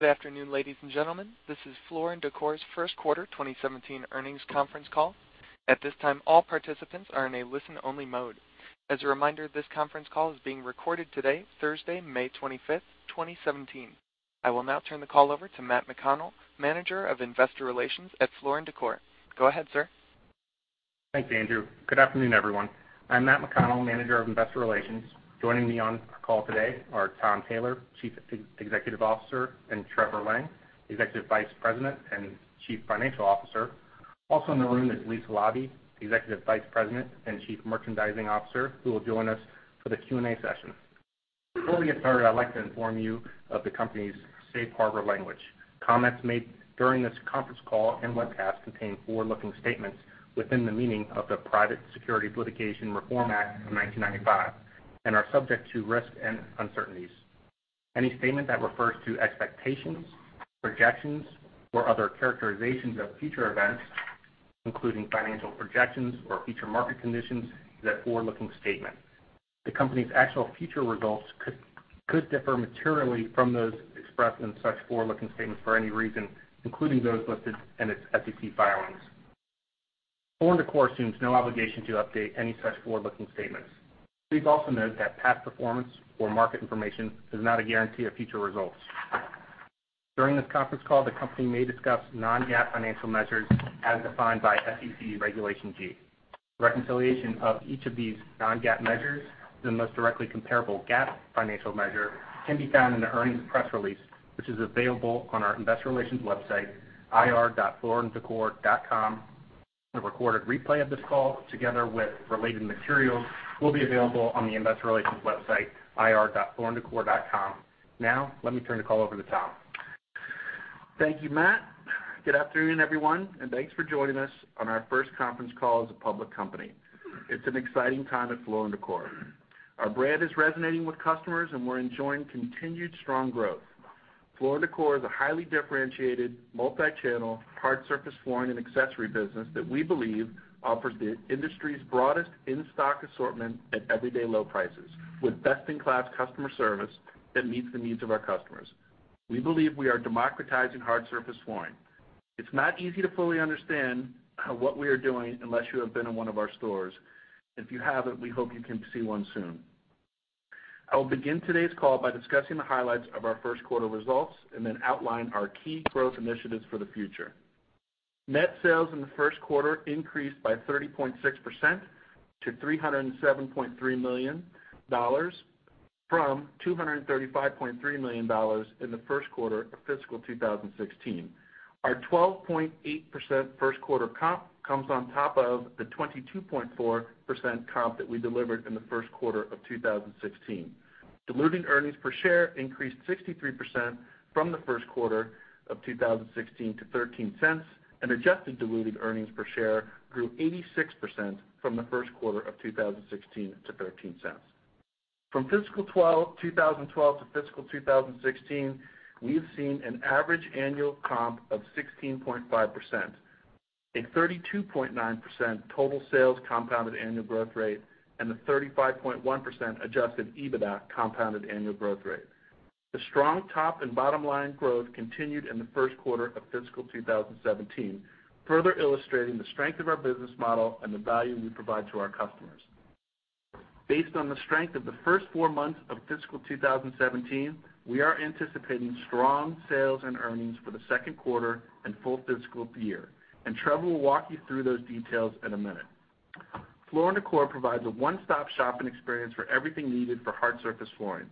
Good afternoon, ladies and gentlemen. This is Floor & Decor's first quarter 2017 earnings conference call. At this time, all participants are in a listen-only mode. As a reminder, this conference call is being recorded today, Thursday, May 25th, 2017. I will now turn the call over to Matthew McConnell, Manager of Investor Relations at Floor & Decor. Go ahead, sir. Thanks, Andrew. Good afternoon, everyone. I'm Matthew McConnell, Manager of Investor Relations. Joining me on the call today are Tom Taylor, Chief Executive Officer, and Trevor Lang, Executive Vice President and Chief Financial Officer. Also on the room is Lisa Laube, Executive Vice President and Chief Merchandising Officer, who will join us for the Q&A session. Before we get started, I'd like to inform you of the company's safe harbor language. Comments made during this conference call and webcast contain forward-looking statements within the meaning of the Private Securities Litigation Reform Act of 1995, and are subject to risks and uncertainties. Any statement that refers to expectations, projections, or other characterizations of future events, including financial projections or future market conditions, is that forward-looking statement. The company's actual future results could differ materially from those expressed in such forward-looking statements for any reason, including those listed in its SEC filings. Floor & Decor assumes no obligation to update any such forward-looking statements. Please also note that past performance or market information is not a guarantee of future results. During this conference call, the company may discuss non-GAAP financial measures as defined by SEC Regulation G. Reconciliation of each of these non-GAAP measures to the most directly comparable GAAP financial measure can be found in the earnings press release, which is available on our investor relations website, ir.flooranddecor.com. The recorded replay of this call, together with related materials, will be available on the investor relations website, ir.flooranddecor.com. Now, let me turn the call over to Tom. Thank you, Matt. Good afternoon, everyone, and thanks for joining us on our first conference call as a public company. It's an exciting time at Floor & Decor. Our brand is resonating with customers and we're enjoying continued strong growth. Floor & Decor is a highly differentiated, multi-channel, hard surface flooring and accessory business that we believe offers the industry's broadest in-stock assortment at everyday low prices, with best-in-class customer service that meets the needs of our customers. We believe we are democratizing hard surface flooring. It's not easy to fully understand what we are doing unless you have been in one of our stores. If you haven't, we hope you can see one soon. I will begin today's call by discussing the highlights of our first quarter results and then outline our key growth initiatives for the future. Net sales in the first quarter increased by 30.6% to $307.3 million from $235.3 million in the first quarter of fiscal 2016. Our 12.8% first quarter comp comes on top of the 22.4% comp that we delivered in the first quarter of 2016. Diluted earnings per share increased 63% from the first quarter of 2016 to $0.13, and adjusted diluted earnings per share grew 86% from the first quarter of 2016 to $0.13. From fiscal 2012 to fiscal 2016, we have seen an average annual comp of 16.5%, a 32.9% total sales compounded annual growth rate, and a 35.1% adjusted EBITDA compounded annual growth rate. The strong top and bottom-line growth continued in the first quarter of fiscal 2017, further illustrating the strength of our business model and the value we provide to our customers. Based on the strength of the first four months of fiscal 2017, we are anticipating strong sales and earnings for the second quarter and full fiscal year. Trevor will walk you through those details in a minute. Floor & Decor provides a one-stop shopping experience for everything needed for hard surface flooring.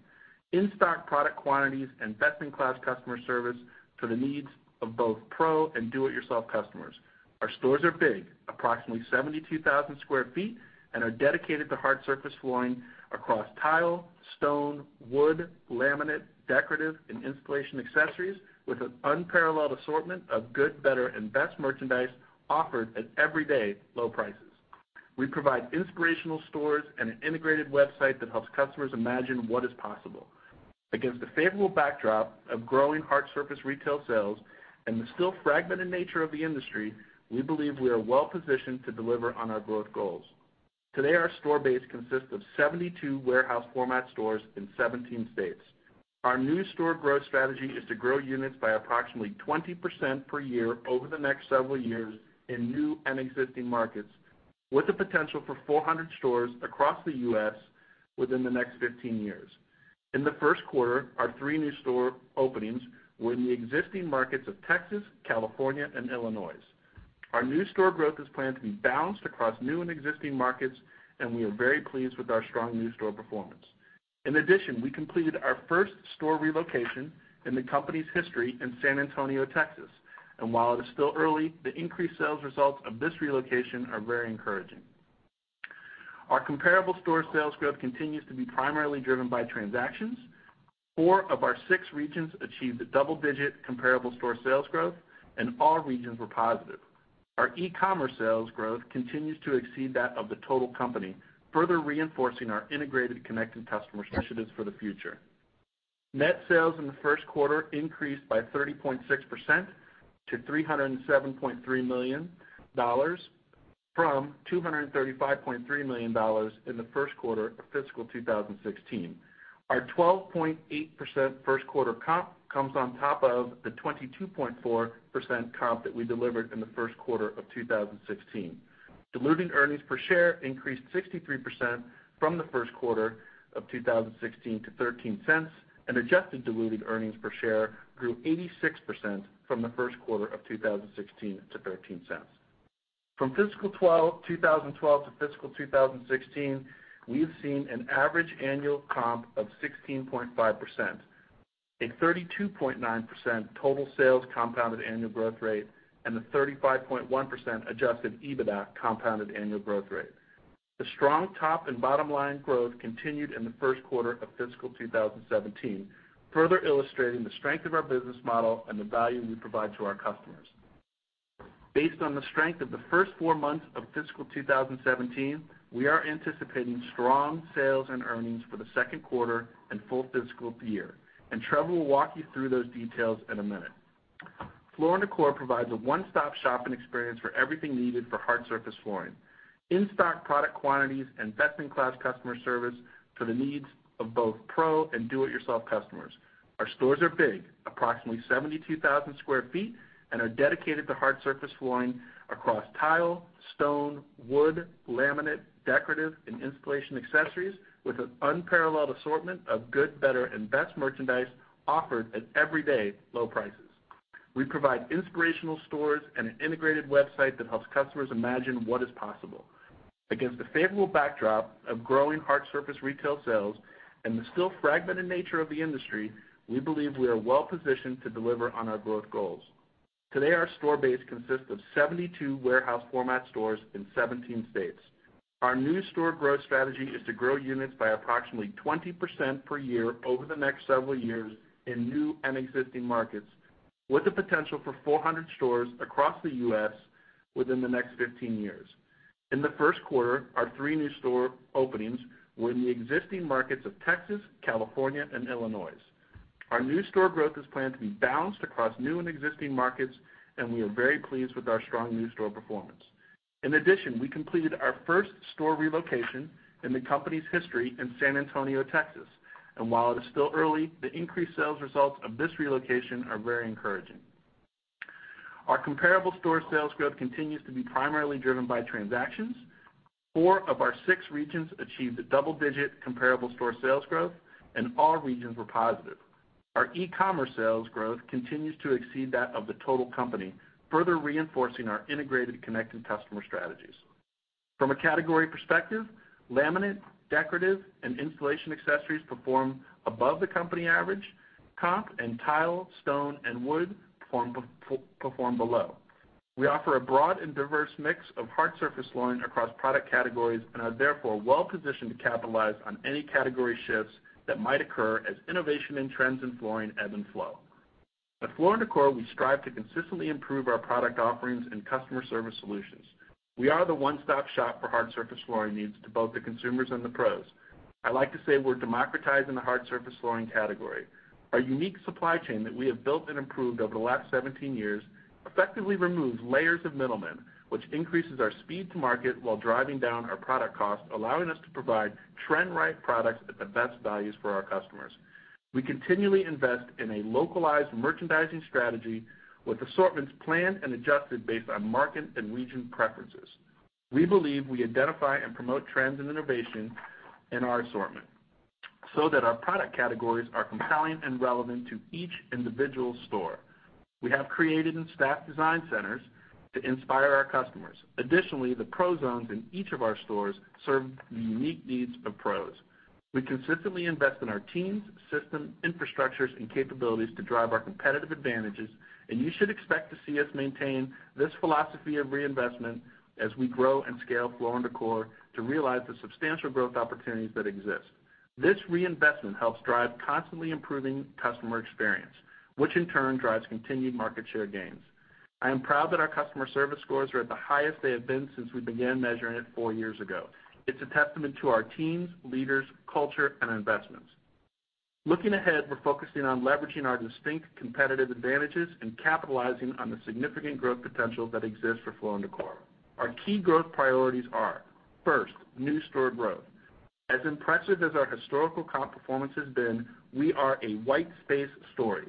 In-stock product quantities and best-in-class customer service for the needs of both pro and do-it-yourself customers. Our stores are big, approximately 72,000 sq ft, and are dedicated to hard surface flooring across tile, stone, wood, laminate, decorative, and installation accessories with an unparalleled assortment of good, better, and best merchandise offered at everyday low prices. We provide inspirational stores and an integrated website that helps customers imagine what is possible. Against the favorable backdrop of growing hard surface retail sales and the still fragmented nature of the industry, we believe we are well-positioned to deliver on our growth goals. Today, our store base consists of 72 warehouse format stores in 17 states. Our new store growth strategy is to grow units by approximately 20% per year over the next several years in new and existing markets, with the potential for 400 stores across the U.S. within the next 15 years. In the first quarter, our three new store openings were in the existing markets of Texas, California, and Illinois. Our new store growth is planned to be balanced across new and existing markets, and we are very pleased with our strong new store performance. In addition, we completed our first store relocation in the company's history in San Antonio, Texas. While it is still early, the increased sales results of this relocation are very encouraging. Our comparable store sales growth continues to be primarily driven by transactions. Four of our six regions achieved a double-digit comparable store sales growth, and all regions were positive. Our e-commerce sales growth continues to exceed that of the total company, further reinforcing our integrated connected customer strategies for the future. Net sales in the first quarter increased by 30.6% to $307.3 million from $235.3 million in the first quarter of fiscal 2016. Our 12.8% first quarter comp comes on top of the 22.4% comp that we delivered in the first quarter of 2016. Diluted earnings per share increased 63% from the first quarter of 2016 to $0.13, and adjusted diluted earnings per share grew 86% from the first quarter of 2016 to $0.13. From fiscal 2012 to fiscal 2016, we have seen an average annual comp of 16.5%, a 32.9% total sales compounded annual growth rate, and a 35.1% adjusted EBITDA compounded annual growth rate. The strong top and bottom line growth continued in the first quarter of fiscal 2017, further illustrating the strength of our business model and the value we provide to our customers. Based on the strength of the first four months of fiscal 2017, we are anticipating strong sales and earnings for the second quarter and full fiscal year. Trevor will walk you through those details in a minute. Floor & Decor provides a one-stop shopping experience for everything needed for hard surface flooring, in-stock product quantities, and best-in-class customer service to the needs of both pro and do-it-yourself customers. Our stores are big, approximately 72,000 sq ft, and are dedicated to hard surface flooring across tile, stone, wood, laminate, decorative, and installation accessories with an unparalleled assortment of good, better, and best merchandise offered at everyday low prices. We provide inspirational stores and an integrated website that helps customers imagine what is possible. Against the favorable backdrop of growing hard surface retail sales and the still fragmented nature of the industry, we believe we are well-positioned to deliver on our growth goals. Today, our store base consists of 72 warehouse format stores in 17 states. Our new store growth strategy is to grow units by approximately 20% per year over the next several years in new and existing markets, with the potential for 400 stores across the U.S. within the next 15 years. In the first quarter, our three new store openings were in the existing markets of Texas, California, and Illinois. Our new store growth is planned to be balanced across new and existing markets. We are very pleased with our strong new store performance. In addition, we completed our first store relocation in the company's history in San Antonio, Texas. While it is still early, the increased sales results of this relocation are very encouraging. Our comparable store sales growth continues to be primarily driven by transactions. Four of our six regions achieved a double-digit comparable store sales growth. All regions were positive. Our e-commerce sales growth continues to exceed that of the total company, further reinforcing our integrated connected customer strategies. From a category perspective, laminate, decorative, and installation accessories perform above the company average. Carpet and tile, stone and wood perform below. We offer a broad and diverse mix of hard surface flooring across product categories. Are therefore well positioned to capitalize on any category shifts that might occur as innovation and trends in flooring ebb and flow. At Floor & Decor, we strive to consistently improve our product offerings and customer service solutions. We are the one-stop shop for hard surface flooring needs to both the consumers and the pros. I like to say we're democratizing the hard surface flooring category. Our unique supply chain that we have built and improved over the last 17 years effectively removes layers of middlemen, which increases our speed to market while driving down our product cost, allowing us to provide trend-right products at the best values for our customers. We continually invest in a localized merchandising strategy with assortments planned and adjusted based on market and region preferences. We believe we identify and promote trends and innovation in our assortment so that our product categories are compelling and relevant to each individual store. We have created and staffed design centers to inspire our customers. Additionally, the pro zones in each of our stores serve the unique needs of pros. We consistently invest in our teams, systems, infrastructures, and capabilities to drive our competitive advantages, and you should expect to see us maintain this philosophy of reinvestment as we grow and scale Floor & Decor to realize the substantial growth opportunities that exist. This reinvestment helps drive constantly improving customer experience, which in turn drives continued market share gains. I am proud that our customer service scores are at the highest they have been since we began measuring it four years ago. It's a testament to our teams, leaders, culture, and investments. Looking ahead, we're focusing on leveraging our distinct competitive advantages and capitalizing on the significant growth potential that exists for Floor & Decor. Our key growth priorities are, first, new store growth. As impressive as our historical comp performance has been, we are a white space story.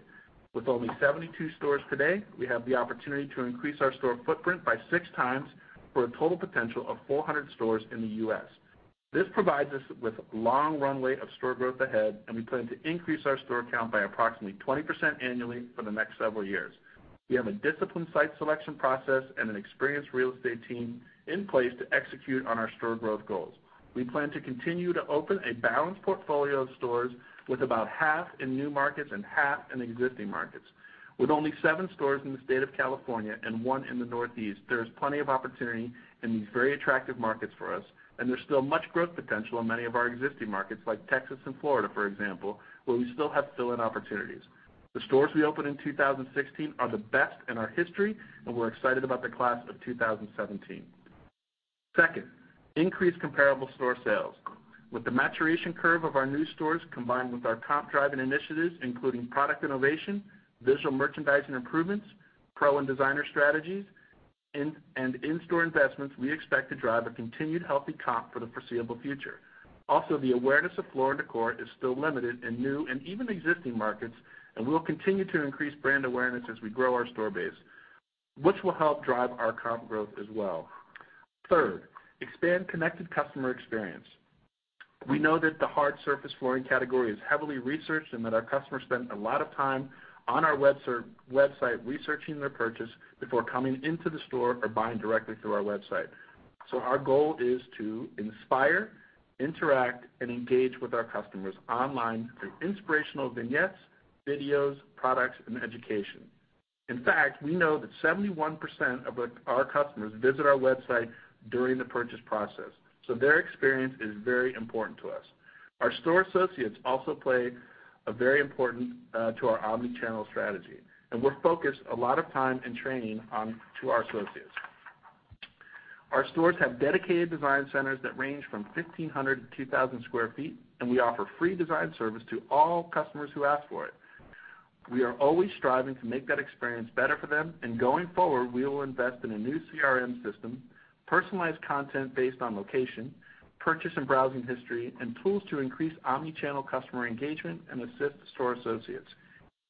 With only 72 stores today, we have the opportunity to increase our store footprint by six times for a total potential of 400 stores in the U.S. This provides us with long runway of store growth ahead, and we plan to increase our store count by approximately 20% annually for the next several years. We have a disciplined site selection process and an experienced real estate team in place to execute on our store growth goals. We plan to continue to open a balanced portfolio of stores, with about half in new markets and half in existing markets. With only seven stores in the state of California and one in the Northeast, there is plenty of opportunity in these very attractive markets for us, and there's still much growth potential in many of our existing markets, like Texas and Florida, for example, where we still have fill-in opportunities. The stores we opened in 2016 are the best in our history, and we're excited about the class of 2017. Second, increase comparable store sales. With the maturation curve of our new stores, combined with our comp-driving initiatives, including product innovation, visual merchandising improvements, pro and designer strategies, and in-store investments, we expect to drive a continued healthy comp for the foreseeable future. The awareness of Floor & Decor is still limited in new and even existing markets, and we will continue to increase brand awareness as we grow our store base, which will help drive our comp growth as well. Third, expand connected customer experience. We know that the hard surface flooring category is heavily researched, and that our customers spend a lot of time on our website researching their purchase before coming into the store or buying directly through our website. Our goal is to inspire, interact, and engage with our customers online through inspirational vignettes, videos, products, and education. In fact, we know that 71% of our customers visit our website during the purchase process, their experience is very important to us. Our store associates also play a very important to our omnichannel strategy, and we're focused a lot of time and training to our associates. Our stores have dedicated design centers that range from 1,500 to 2,000 sq ft, and we offer free design service to all customers who ask for it. We are always striving to make that experience better for them, and going forward, we will invest in a new CRM system, personalized content based on location, purchase and browsing history, and tools to increase omnichannel customer engagement and assist store associates.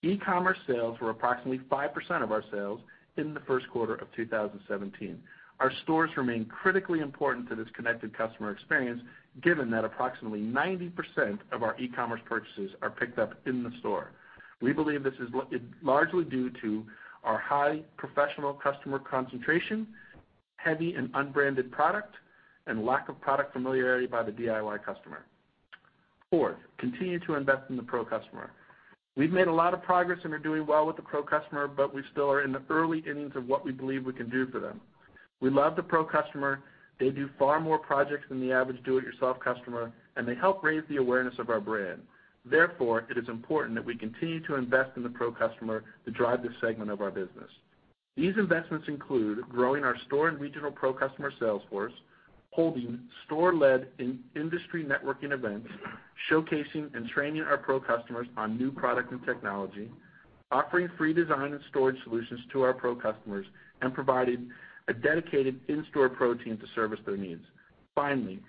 E-commerce sales were approximately 5% of our sales in the first quarter of 2017. Our stores remain critically important to this connected customer experience, given that approximately 90% of our e-commerce purchases are picked up in the store. We believe this is largely due to our high professional customer concentration, heavy and unbranded product, and lack of product familiarity by the DIY customer. Fourth, continue to invest in the pro customer. We've made a lot of progress and are doing well with the pro customer, but we still are in the early innings of what we believe we can do for them. We love the pro customer. They do far more projects than the average DIY customer, and they help raise the awareness of our brand. Therefore, it is important that we continue to invest in the pro customer to drive this segment of our business. These investments include growing our store and regional pro customer sales force, holding store-led industry networking events, showcasing and training our pro customers on new product and technology, offering free design and storage solutions to our pro customers, and providing a dedicated in-store pro team to service their needs. Finally,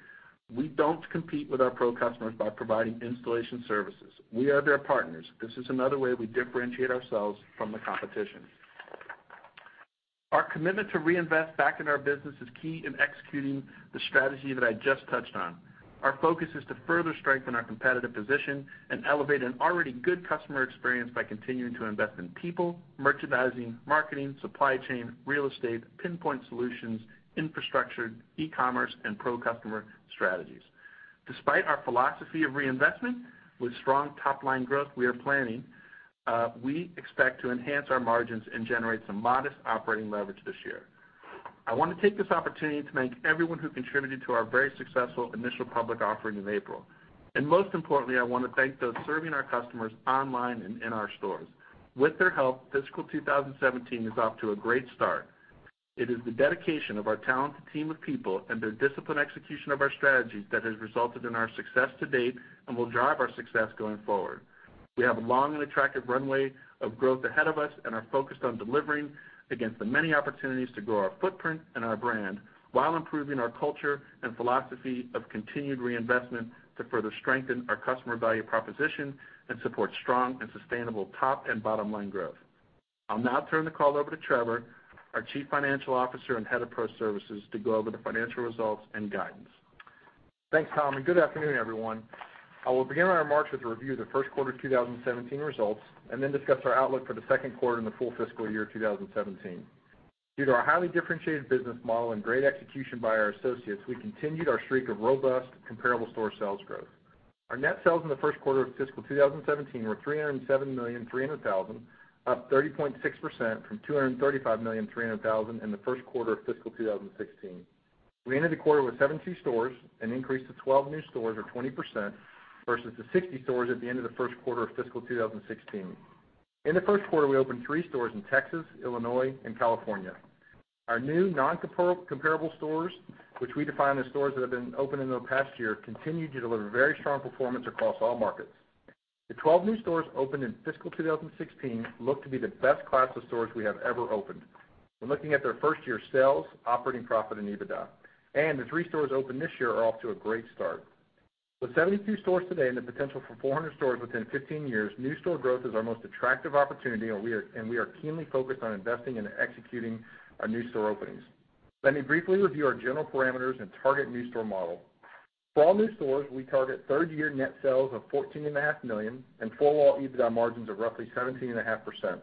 we don't compete with our pro customers by providing installation services. We are their partners. This is another way we differentiate ourselves from the competition. Our commitment to reinvest back in our business is key in executing the strategy that I just touched on. Our focus is to further strengthen our competitive position and elevate an already good customer experience by continuing to invest in people, merchandising, marketing, supply chain, real estate, pinpoint solutions, infrastructure, e-commerce, and pro customer strategies. Despite our philosophy of reinvestment, with strong top-line growth we are planning, we expect to enhance our margins and generate some modest operating leverage this year. I want to take this opportunity to thank everyone who contributed to our very successful initial public offering in April. Most importantly, I want to thank those serving our customers online and in our stores. With their help, fiscal 2017 is off to a great start. It is the dedication of our talented team of people and their disciplined execution of our strategies that has resulted in our success to date and will drive our success going forward. We have a long and attractive runway of growth ahead of us and are focused on delivering against the many opportunities to grow our footprint and our brand while improving our culture and philosophy of continued reinvestment to further strengthen our customer value proposition and support strong and sustainable top and bottom-line growth. I'll now turn the call over to Trevor, our Chief Financial Officer and head of pro services, to go over the financial results and guidance. Thanks, Tom. Good afternoon, everyone. I will begin my remarks with a review of the first quarter 2017 results and then discuss our outlook for the second quarter and the full fiscal year 2017. Due to our highly differentiated business model and great execution by our associates, we continued our streak of robust comparable store sales growth. Our net sales in the first quarter of fiscal 2017 were $307.3 million, up 30.6% from $235.3 million in the first quarter of fiscal 2016. We entered the quarter with 72 stores, an increase to 12 new stores or 20%, versus the 60 stores at the end of the first quarter of fiscal 2016. In the first quarter, we opened three stores in Texas, Illinois, and California. Our new non-comparable stores, which we define as stores that have been open in the past year, continued to deliver very strong performance across all markets. The 12 new stores opened in fiscal 2016 look to be the best class of stores we have ever opened when looking at their first-year sales, operating profit, and EBITDA. The three stores opened this year are off to a great start. With 72 stores today and the potential for 400 stores within 15 years, new store growth is our most attractive opportunity, and we are keenly focused on investing and executing our new store openings. Let me briefly review our general parameters and target new store model. For all new stores, we target third-year net sales of $14.5 million and four-wall EBITDA margins of roughly 17.5%.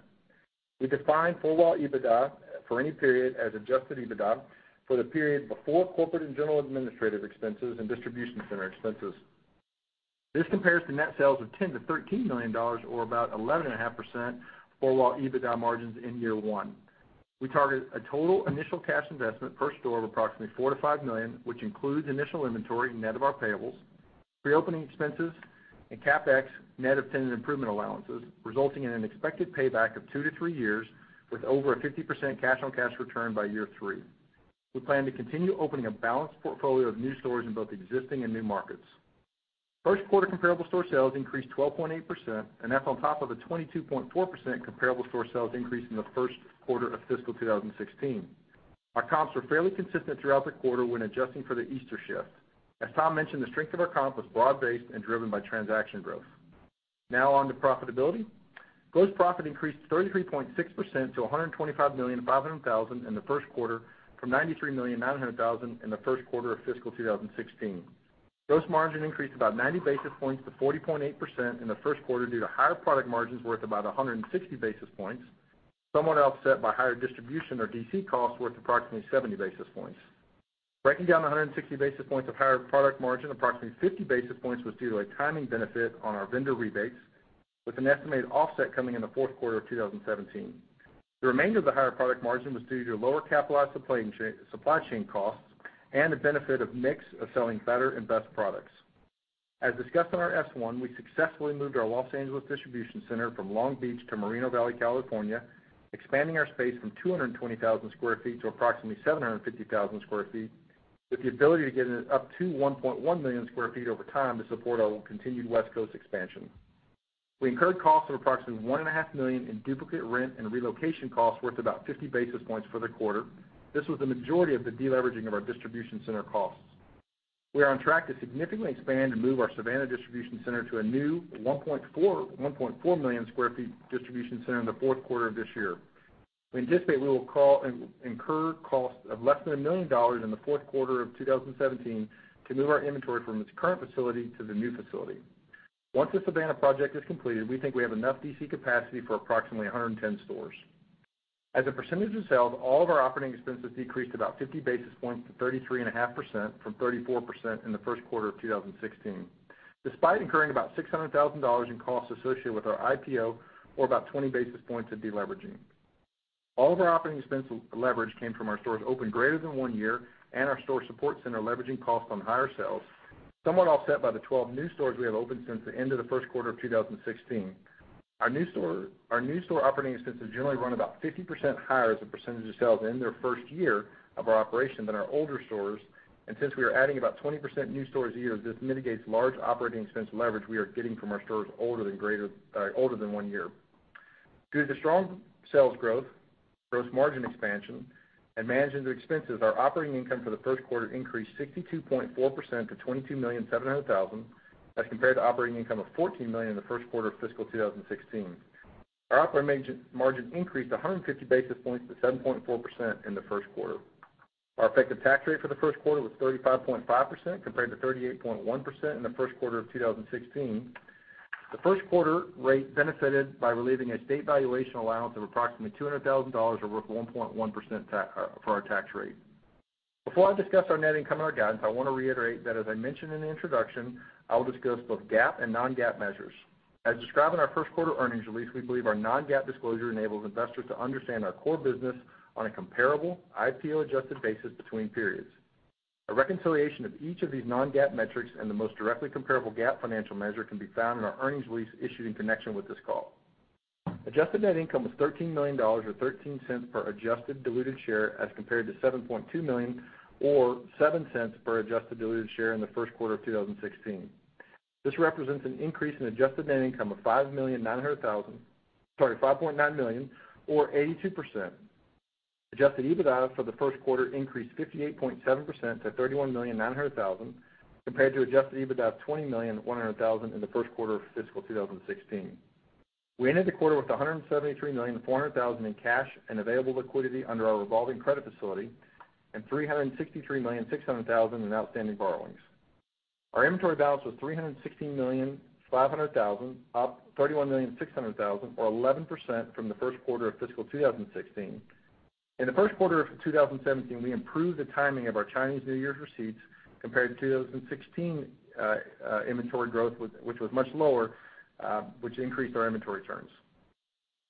We define four-wall EBITDA for any period as adjusted EBITDA for the period before corporate and general administrative expenses and distribution center expenses. This compares to net sales of $10 million-$13 million, or about 11.5% four-wall EBITDA margins in year one. We target a total initial cash investment per store of approximately $4 million to $5 million, which includes initial inventory net of our payables, reopening expenses, in CapEx, net of tenant improvement allowances, resulting in an expected payback of 2 to 3 years with over a 50% cash on cash return by year three. We plan to continue opening a balanced portfolio of new stores in both existing and new markets. First quarter comparable store sales increased 12.8%. That's on top of a 22.4% comparable store sales increase in the first quarter of fiscal 2016. Our comps were fairly consistent throughout the quarter when adjusting for the Easter shift. As Tom mentioned, the strength of our comp was broad-based and driven by transaction growth. On to profitability. Gross profit increased 33.6% to $125.5 million in the first quarter, from $93.9 million in the first quarter of fiscal 2016. Gross margin increased about 90 basis points to 40.8% in the first quarter due to higher product margins worth about 160 basis points, somewhat offset by higher distribution or DC costs worth approximately 70 basis points. Breaking down the 160 basis points of higher product margin, approximately 50 basis points was due to a timing benefit on our vendor rebates, with an estimated offset coming in the fourth quarter of 2017. The remainder of the higher product margin was due to lower capitalized supply chain costs and the benefit of mix of selling better and best products. As discussed on our S1, we successfully moved our Los Angeles distribution center from Long Beach to Moreno Valley, California, expanding our space from 220,000 sq ft to approximately 750,000 sq ft, with the ability to get up to 1.1 million sq ft over time to support our continued West Coast expansion. We incurred costs of approximately $1.5 million in duplicate rent and relocation costs worth about 50 basis points for the quarter. This was the majority of the deleveraging of our distribution center costs. We are on track to significantly expand and move our Savannah distribution center to a new 1.4 million square feet distribution center in the fourth quarter of this year. We anticipate we will incur costs of less than $1 million in the fourth quarter of 2017 to move our inventory from its current facility to the new facility. Once the Savannah project is completed, we think we have enough DC capacity for approximately 110 stores. As a percentage of sales, all of our operating expenses decreased about 50 basis points to 33.5% from 34% in the first quarter of 2016, despite incurring about $600,000 in costs associated with our IPO or about 20 basis points of deleveraging. All of our operating expense leverage came from our stores opened greater than one year and our store support center leveraging costs on higher sales, somewhat offset by the 12 new stores we have opened since the end of the first quarter of 2016. Our new store operating expenses generally run about 50% higher as a percentage of sales in their first year of our operation than our older stores. Since we are adding about 20% new stores a year, this mitigates large operating expense leverage we are getting from our stores older than one year. Due to the strong sales growth, gross margin expansion, and managing the expenses, our operating income for the first quarter increased 62.4% to $22.7 million, as compared to operating income of $14 million in the first quarter of fiscal 2016. Our operating margin increased 150 basis points to 7.4% in the first quarter. Our effective tax rate for the first quarter was 35.5%, compared to 38.1% in the first quarter of 2016. The first quarter rate benefited by relieving a state valuation allowance of approximately $200,000, or worth 1.1% for our tax rate. Before I discuss our net income and our guidance, I want to reiterate that, as I mentioned in the introduction, I will discuss both GAAP and non-GAAP measures. As described in our first quarter earnings release, we believe our non-GAAP disclosure enables investors to understand our core business on a comparable, IPO-adjusted basis between periods. A reconciliation of each of these non-GAAP metrics and the most directly comparable GAAP financial measure can be found in our earnings release issued in connection with this call. Adjusted net income was $13 million, or $0.13 per adjusted diluted share, as compared to $7.2 million or $0.07 per adjusted diluted share in the first quarter of 2016. This represents an increase in adjusted net income of $5.9 million or 82%. Adjusted EBITDA for the first quarter increased 58.7% to $31.9 million compared to adjusted EBITDA of $20.1 million in the first quarter of fiscal 2016. We ended the quarter with $173.4 million in cash and available liquidity under our revolving credit facility and $363.6 million in outstanding borrowings. Our inventory balance was $316.5 million, up $31.6 million, or 11%, from the first quarter of fiscal 2016. In the first quarter of 2017, we improved the timing of our Chinese New Year receipts compared to 2016 inventory growth, which was much lower, which increased our inventory turns.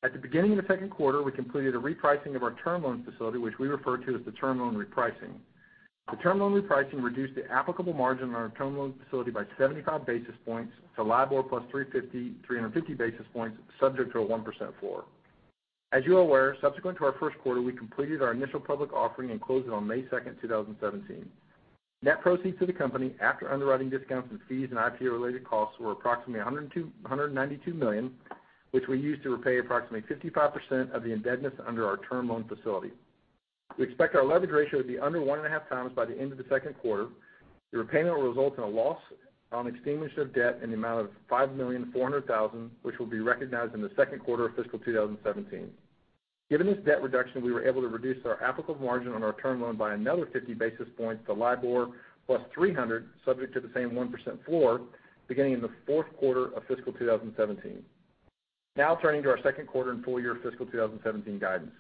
At the beginning of the second quarter, we completed a repricing of our term loan facility, which we refer to as the term loan repricing. The term loan repricing reduced the applicable margin on our term loan facility by 75 basis points to LIBOR plus 350 basis points, subject to a 1% floor. As you are aware, subsequent to our first quarter, we completed our initial public offering and closed it on May 2nd, 2017. Net proceeds to the company after underwriting discounts and fees and IPO-related costs were approximately $192 million, which we used to repay approximately 55% of the indebtedness under our term loan facility. We expect our leverage ratio to be under one and a half times by the end of the second quarter. The repayment will result in a loss on extinguishment of debt in the amount of $5,400,000, which will be recognized in the second quarter of fiscal 2017. Given this debt reduction, we were able to reduce our applicable margin on our term loan by another 50 basis points to LIBOR plus 300, subject to the same 1% floor, beginning in the fourth quarter of fiscal 2017. Turning to our second quarter and full-year fiscal 2017 guidance.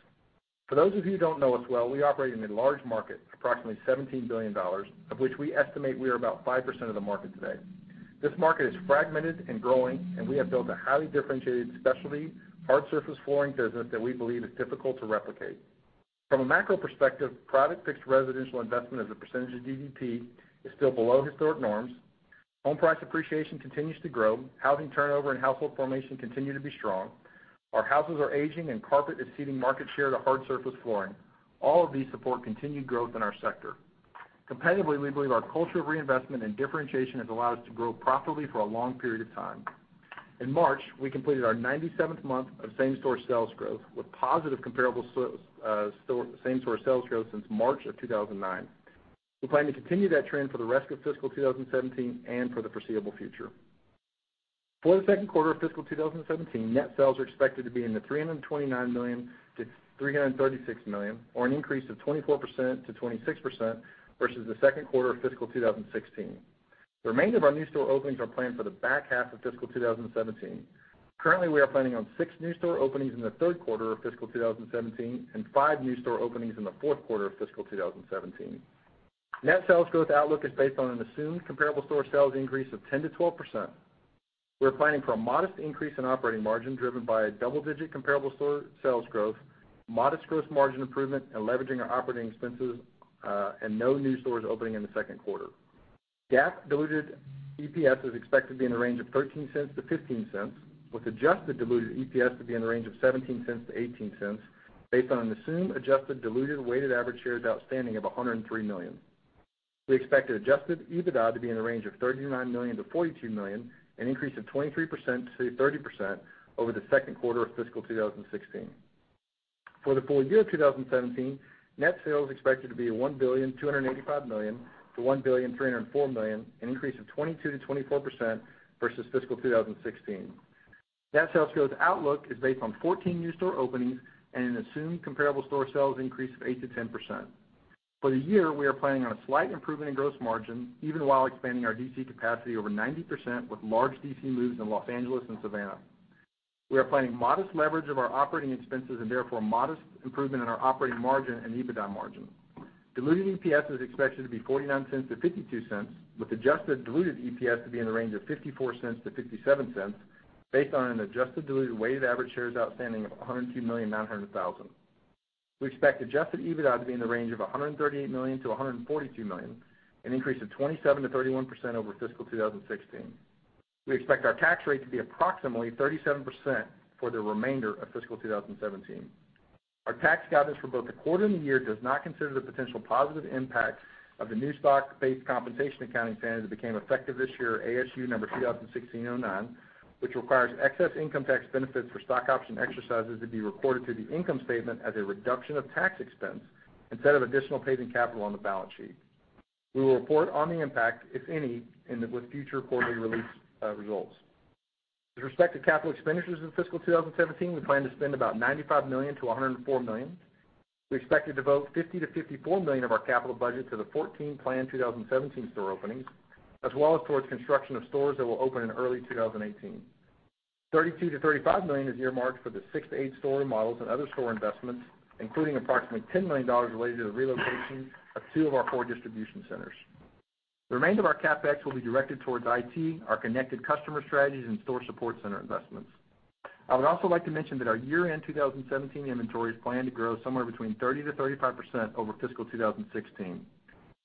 For those of you who don't know us well, we operate in a large market, approximately $17 billion, of which we estimate we are about 5% of the market today. This market is fragmented and growing. We have built a highly differentiated specialty, hard surface flooring business that we believe is difficult to replicate. From a macro perspective, private fixed residential investment as a percentage of GDP is still below historic norms. Home price appreciation continues to grow. Housing turnover and household formation continue to be strong. Our houses are aging. Carpet is ceding market share to hard surface flooring. All of these support continued growth in our sector. Competitively, we believe our culture of reinvestment and differentiation has allowed us to grow profitably for a long period of time. In March, we completed our 97th month of same-store sales growth, with positive comparable same-store sales growth since March of 2009. We plan to continue that trend for the rest of fiscal 2017 and for the foreseeable future. For the second quarter of fiscal 2017, net sales are expected to be in the $329 million-$336 million, or an increase of 24%-26% versus the second quarter of fiscal 2016. The remainder of our new store openings are planned for the back half of fiscal 2017. Currently, we are planning on six new store openings in the third quarter of fiscal 2017 and five new store openings in the fourth quarter of fiscal 2017. Net sales growth outlook is based on an assumed comparable store sales increase of 10%-12%. We're planning for a modest increase in operating margin driven by a double-digit comparable store sales growth, modest gross margin improvement, and leveraging our operating expenses, and no new stores opening in the second quarter. GAAP diluted EPS is expected to be in the range of $0.13-$0.15, with adjusted diluted EPS to be in the range of $0.17-$0.18 based on an assumed adjusted diluted weighted average shares outstanding of 103 million. We expect adjusted EBITDA to be in the range of $39 million-$42 million, an increase of 23%-30% over the second quarter of fiscal 2016. For the full year of 2017, net sales are expected to be $1.285 billion to $1.304 billion, an increase of 22%-24% versus fiscal 2016. Net sales growth outlook is based on 14 new store openings and an assumed comparable store sales increase of 8%-10%. For the year, we are planning on a slight improvement in gross margin, even while expanding our DC capacity over 90% with large DC moves in Los Angeles and Savannah. We are planning modest leverage of our operating expenses and therefore modest improvement in our operating margin and EBITDA margin. Diluted EPS is expected to be $0.49-$0.52 with adjusted diluted EPS to be in the range of $0.54-$0.57 based on an adjusted diluted weighted average shares outstanding of 102,900,000. We expect adjusted EBITDA to be in the range of $138 million-$142 million, an increase of 27%-31% over fiscal 2016. We expect our tax rate to be approximately 37% for the remainder of fiscal 2017. Our tax guidance for both the quarter and the year does not consider the potential positive impact of the new stock-based compensation accounting standard that became effective this year, ASU number 2016-09, which requires excess income tax benefits for stock option exercises to be reported to the income statement as a reduction of tax expense instead of additional paid-in capital on the balance sheet. We will report on the impact, if any, with future quarterly release results. With respect to capital expenditures in fiscal 2017, we plan to spend about $95 million-$104 million. We expect to devote $50 million-$54 million of our capital budget to the 14 planned 2017 store openings, as well as towards construction of stores that will open in early 2018. $32 million-$35 million is earmarked for the 6-8 store remodels and other store investments, including approximately $10 million related to the relocation of two of our four distribution centers. The remainder of our CapEx will be directed towards IT, our connected customer strategies, and store support center investments. I would also like to mention that our year-end 2017 inventory is planned to grow somewhere between 30%-35% over fiscal 2016.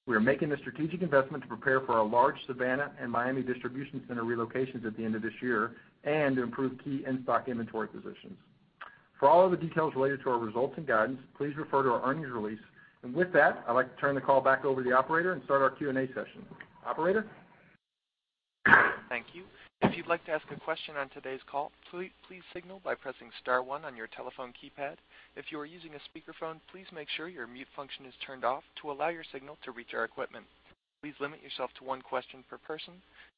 We are making this strategic investment to prepare for our large Savannah and Miami distribution center relocations at the end of this year and to improve key in-stock inventory positions. For all other details related to our results and guidance, please refer to our earnings release. With that, I'd like to turn the call back over to the operator and start our Q&A session. Operator? Thank you. If you'd like to ask a question on today's call, please signal by pressing star one on your telephone keypad. If you are using a speakerphone, please make sure your mute function is turned off to allow your signal to reach our equipment. Please limit yourself to one question per person.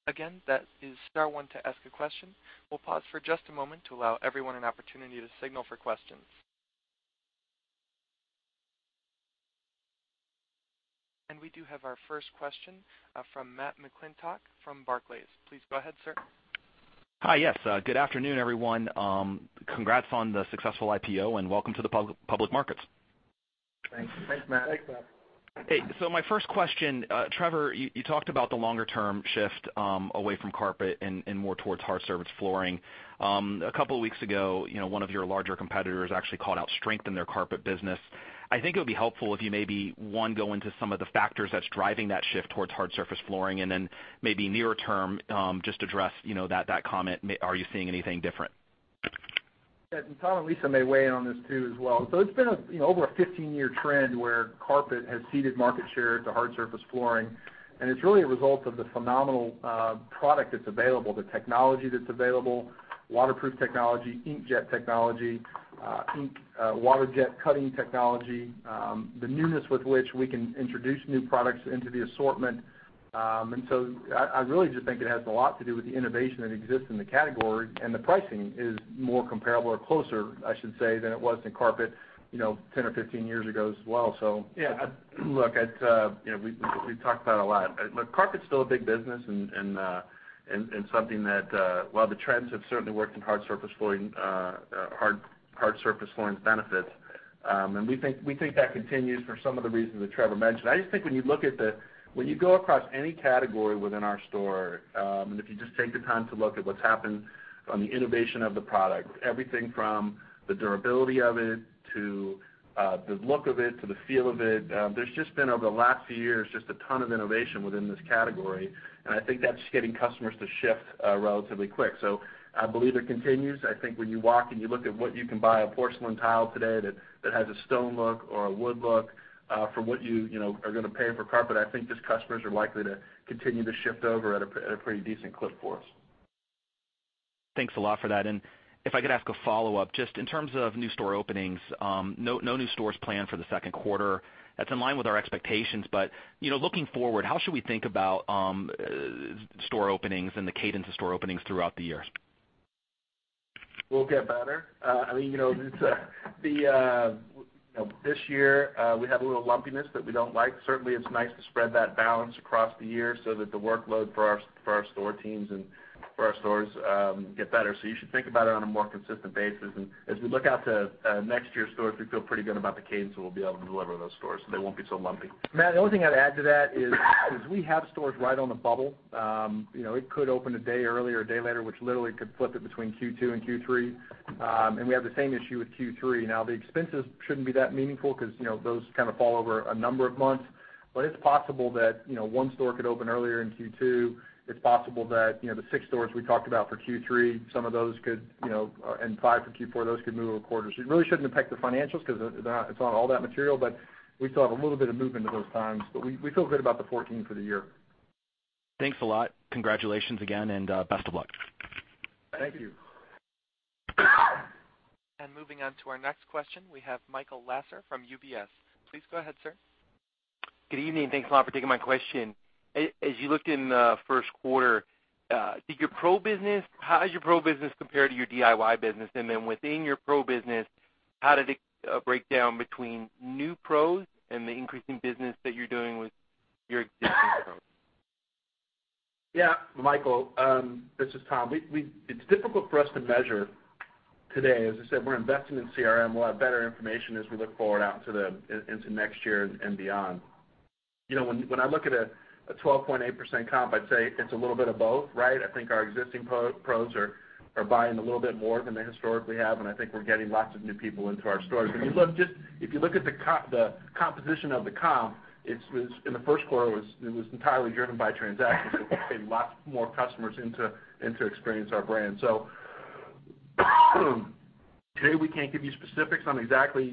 Again, that is star one to ask a question. We'll pause for just a moment to allow everyone an opportunity to signal for questions. We do have our first question from Matthew McClintock from Barclays. Please go ahead, sir. Hi. Yes. Good afternoon, everyone. Congrats on the successful IPO, and welcome to the public markets. Thanks. Thanks, Matt. Thanks, Matt. Hey, my first question, Trevor, you talked about the longer-term shift away from Carpet and more towards hard surface flooring. A couple of weeks ago, one of your larger competitors actually called out strength in their Carpet business. I think it would be helpful if you maybe, one, go into some of the factors that's driving that shift towards hard surface flooring, then maybe nearer term, just address that comment, are you seeing anything different? Yeah, Tom and Lisa may weigh in on this too as well. It's been over a 15-year trend where Carpet has ceded market share to hard surface flooring, and it's really a result of the phenomenal product that's available, the technology that's available, waterproof technology, inkjet technology, ink, water jet cutting technology, the newness with which we can introduce new products into the assortment. I really just think it has a lot to do with the innovation that exists in the category and the pricing is more comparable or closer, I should say, than it was in Carpet 10 or 15 years ago as well. Yeah, look, we've talked about a lot. Look, Carpet's still a big business and something that while the trends have certainly worked in hard surface flooring's benefits, and we think that continues for some of the reasons that Trevor mentioned. I just think when you go across any category within our store, and if you just take the time to look at what's happened on the innovation of the product, everything from the durability of it to the look of it, to the feel of it, there's just been over the last few years, just a ton of innovation within this category. I think that's getting customers to shift relatively quick. I believe it continues. I think when you walk and you look at what you can buy, a porcelain tile today that has a stone look or a wood look, for what you are going to pay for Carpet, I think just customers are likely to continue to shift over at a pretty decent clip for us. Thanks a lot for that. If I could ask a follow-up, just in terms of new store openings, no new stores planned for the second quarter. That's in line with our expectations. Looking forward, how should we think about store openings and the cadence of store openings throughout the year? We'll get better. This year, we have a little lumpiness that we don't like. Certainly, it's nice to spread that balance across the year so that the workload for our store teams and for our stores get better. You should think about it on a more consistent basis. As we look out to next year's stores, we feel pretty good about the cadence that we'll be able to deliver those stores, so they won't be so lumpy. Matt, the only thing I'd add to that is we have stores right on the bubble. It could open a day early or a day later, which literally could flip it between Q2 and Q3. We have the same issue with Q3. The expenses shouldn't be that meaningful because those kind of fall over a number of months. It's possible that one store could open earlier in Q2. It's possible that the six stores we talked about for Q3, and five for Q4, those could move a quarter. It really shouldn't affect the financials because it's not all that material, but we still have a little bit of movement of those times. We feel good about the 14 for the year. Thanks a lot. Congratulations again, and best of luck. Thank you. Moving on to our next question, we have Michael Lasser from UBS. Please go ahead, sir. Good evening, Thanks a lot for taking my question. As you looked in the first quarter, how did your pro business compare to your DIY business? Within your pro business, how did it break down between new pros and the increasing business that you're doing with your existing pros? Yeah, Michael, this is Tom. It's difficult for us to measure today. As I said, we're investing in CRM. We'll have better information as we look forward out into next year and beyond. When I look at a 12.8% comp, I'd say it's a little bit of both, right? I think our existing pros are buying a little bit more than they historically have, and I think we're getting lots of new people into our stores. If you look at the composition of the comp, in the first quarter, it was entirely driven by transactions because we've gained lots more customers in to experience our brand. Today, we can't give you specifics on exactly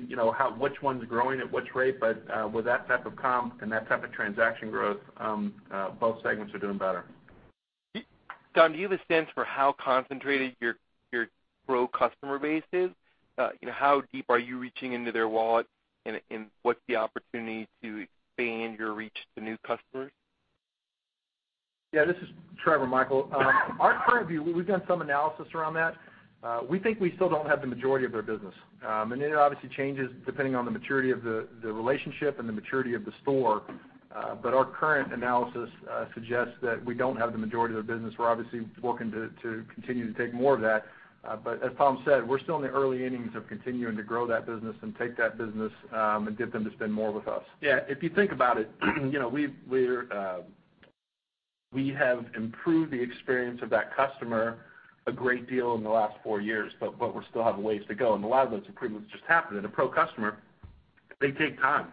which one's growing at what rate. With that type of comp and that type of transaction growth, both segments are doing better. Tom, do you have a sense for how concentrated your pro customer base is? How deep are you reaching into their wallet, and what's the opportunity to expand your reach to new customers? Yeah, this is Trevor, Michael. Our current view, we've done some analysis around that. We think we still don't have the majority of their business. It obviously changes depending on the maturity of the relationship and the maturity of the store. Our current analysis suggests that we don't have the majority of the business. We're obviously working to continue to take more of that. As Tom said, we're still in the early innings of continuing to grow that business and take that business, and get them to spend more with us. Yeah, if you think about it, we have improved the experience of that customer a great deal in the last four years, but we still have a ways to go. A lot of those improvements just happen in a pro customer. They take time.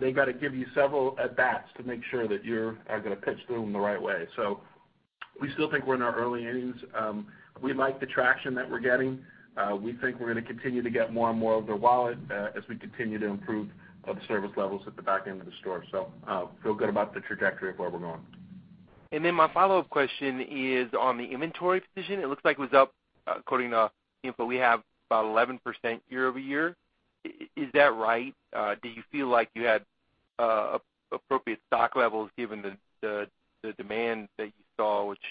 They got to give you several at-bats to make sure that you are going to pitch to them the right way. We still think we're in our early innings. We like the traction that we're getting. We think we're going to continue to get more and more of their wallet as we continue to improve the service levels at the back end of the store. Feel good about the trajectory of where we're going. My follow-up question is on the inventory position. It looks like it was up according to the info we have, about 11% year-over-year. Is that right? Do you feel like you had appropriate stock levels given the demand that you saw, which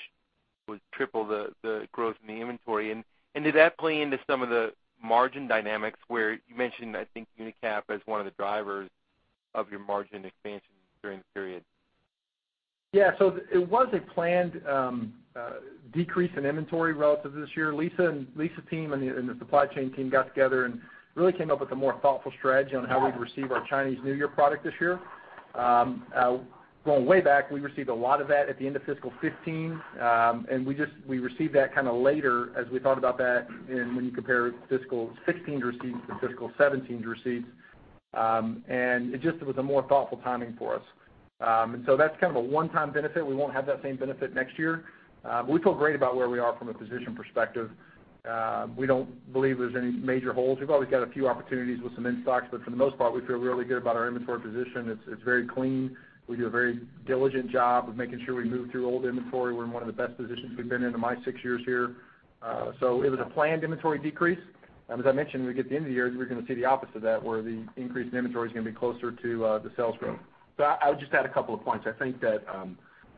would triple the growth in the inventory? Did that play into some of the margin dynamics where you mentioned, I think, uniCap as one of the drivers of your margin expansion during the period? Yeah. It was a planned decrease in inventory relative to this year. Lisa's team and the supply chain team got together and really came up with a more thoughtful strategy on how we'd receive our Chinese New Year product this year. Going way back, we received a lot of that at the end of fiscal 2015. We received that kind of later as we thought about that and when you compare fiscal 2016 receipts to fiscal 2017 receipts. It just was a more thoughtful timing for us. That's kind of a one-time benefit. We won't have that same benefit next year. We feel great about where we are from a position perspective. We don't believe there's any major holes. We've always got a few opportunities with some in-stocks, but for the most part, we feel really good about our inventory position. It's very clean. We do a very diligent job of making sure we move through old inventory. We're in one of the best positions we've been in in my six years here. It was a planned inventory decrease. As I mentioned, when we get to the end of the year, we're going to see the opposite of that, where the increase in inventory is going to be closer to the sales growth. I would just add a couple of points. I think that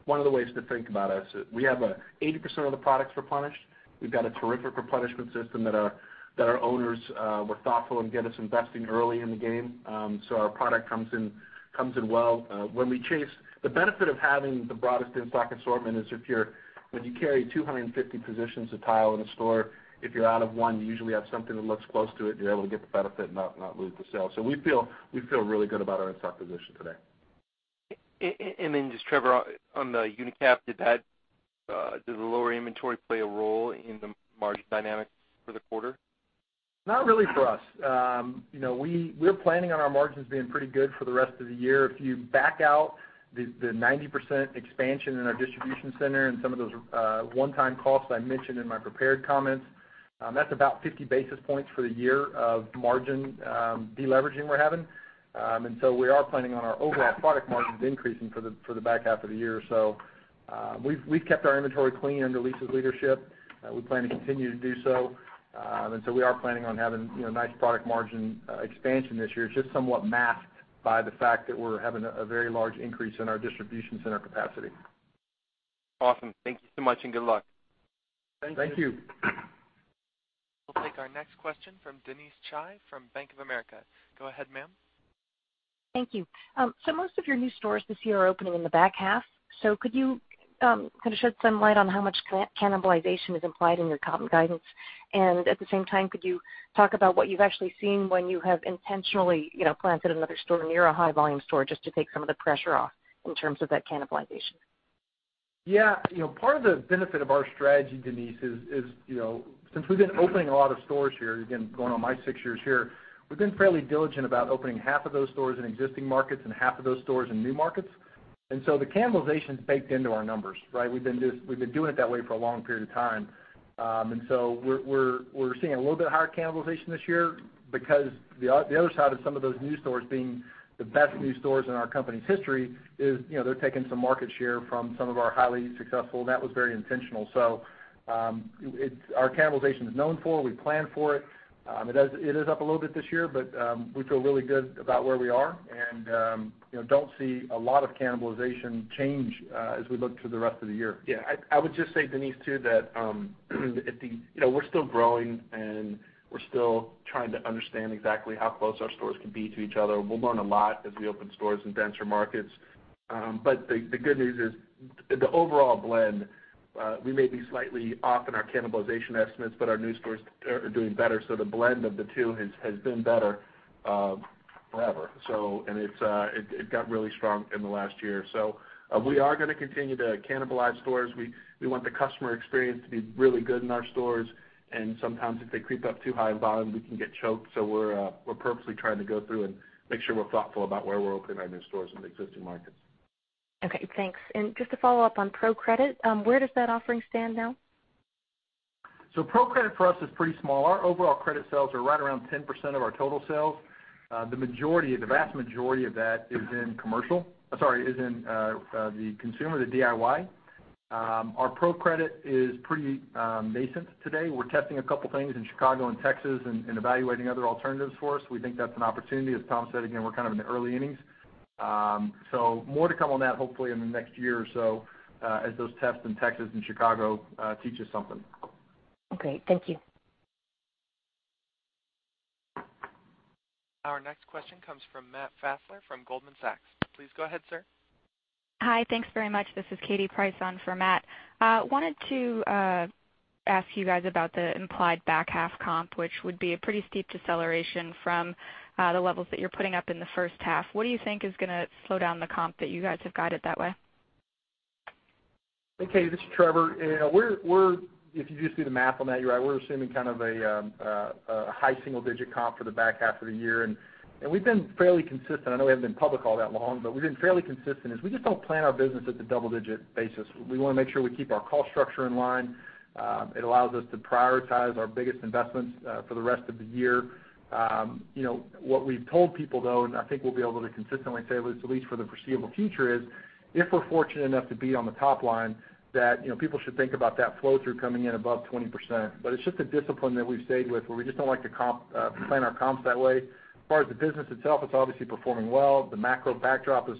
one of the ways to think about us is we have 80% of the products replenished. We've got a terrific replenishment system that our owners were thoughtful and get us investing early in the game. Our product comes in well. The benefit of having the broadest in-stock assortment is when you carry 250 positions of tile in a store, if you're out of one, you usually have something that looks close to it, you're able to get the benefit and not lose the sale. We feel really good about our in-stock position today. Just Trevor, on the, [inaudible] did the lower inventory play a role in the margin dynamics for the quarter? Not really for us. We're planning on our margins being pretty good for the rest of the year. If you back out the 90% expansion in our distribution center and some of those one-time costs I mentioned in my prepared comments, that's about 50 basis points for the year of margin de-leveraging we're having. We are planning on our overall product margins increasing for the back half of the year. We've kept our inventory clean under Lisa's leadership. We plan to continue to do so. We are planning on having a nice product margin expansion this year. It's just somewhat masked by the fact that we're having a very large increase in our distribution center capacity. Awesome. Thank you so much, and good luck. Thank you. Thank you. We'll take our next question from Denise Chai from Bank of America. Go ahead, ma'am. Thank you. Most of your new stores this year are opening in the back half. Could you kind of shed some light on how much cannibalization is implied in your comp guidance? At the same time, could you talk about what you've actually seen when you have intentionally planted another store near a high-volume store just to take some of the pressure off in terms of that cannibalization? Yeah. Part of the benefit of our strategy, Denise, is since we've been opening a lot of stores here, again, going on my six years here, we've been fairly diligent about opening half of those stores in existing markets and half of those stores in new markets. The cannibalization's baked into our numbers, right? We've been doing it that way for a long period of time. We're seeing a little bit higher cannibalization this year because the other side of some of those new stores being the best new stores in our company's history is they're taking some market share from some of our highly successful, and that was very intentional. Our cannibalization is known for, we plan for it. It is up a little bit this year, we feel really good about where we are and don't see a lot of cannibalization change as we look to the rest of the year. I would just say, Denise, too, that we're still growing, we're still trying to understand exactly how close our stores can be to each other. We'll learn a lot as we open stores in denser markets. The good news is the overall blend, we may be slightly off in our cannibalization estimates, but our new stores are doing better, so the blend of the two has been better than ever. It got really strong in the last year. We are going to continue to cannibalize stores. We want the customer experience to be really good in our stores, and sometimes if they creep up too high in volume, we can get choked. We're purposely trying to go through and make sure we're thoughtful about where we're opening our new stores in the existing markets. Okay, thanks. Just to follow up on pro credit, where does that offering stand now? Pro credit for us is pretty small. Our overall credit sales are right around 10% of our total sales. The vast majority of that is in the consumer, the DIY. Our pro credit is pretty nascent today. We're testing a couple things in Chicago and Texas and evaluating other alternatives for us. We think that's an opportunity. As Tom said, again, we're kind of in the early innings. More to come on that hopefully in the next year or so as those tests in Texas and Chicago teach us something. Okay, thank you. Our next question comes from Matt Fassler from Goldman Sachs. Please go ahead, sir. Hi. Thanks very much. This is Katie Price on for Matt. Wanted to ask you guys about the implied back half comp, which would be a pretty steep deceleration from the levels that you're putting up in the first half. What do you think is gonna slow down the comp that you guys have guided that way? Hey, Katie, this is Trevor. If you just do the math on that, you're right. We're assuming kind of a high single-digit comp for the back half of the year. We've been fairly consistent. I know we haven't been public all that long, but we've been fairly consistent, is we just don't plan our business at the double-digit basis. We want to make sure we keep our cost structure in line. It allows us to prioritize our biggest investments for the rest of the year. What we've told people, though, and I think we'll be able to consistently say this at least for the foreseeable future, is if we're fortunate enough to be on the top line, that people should think about that flow-through coming in above 20%. It's just a discipline that we've stayed with where we just don't like to plan our comps that way. As far as the business itself, it's obviously performing well. The macro backdrop is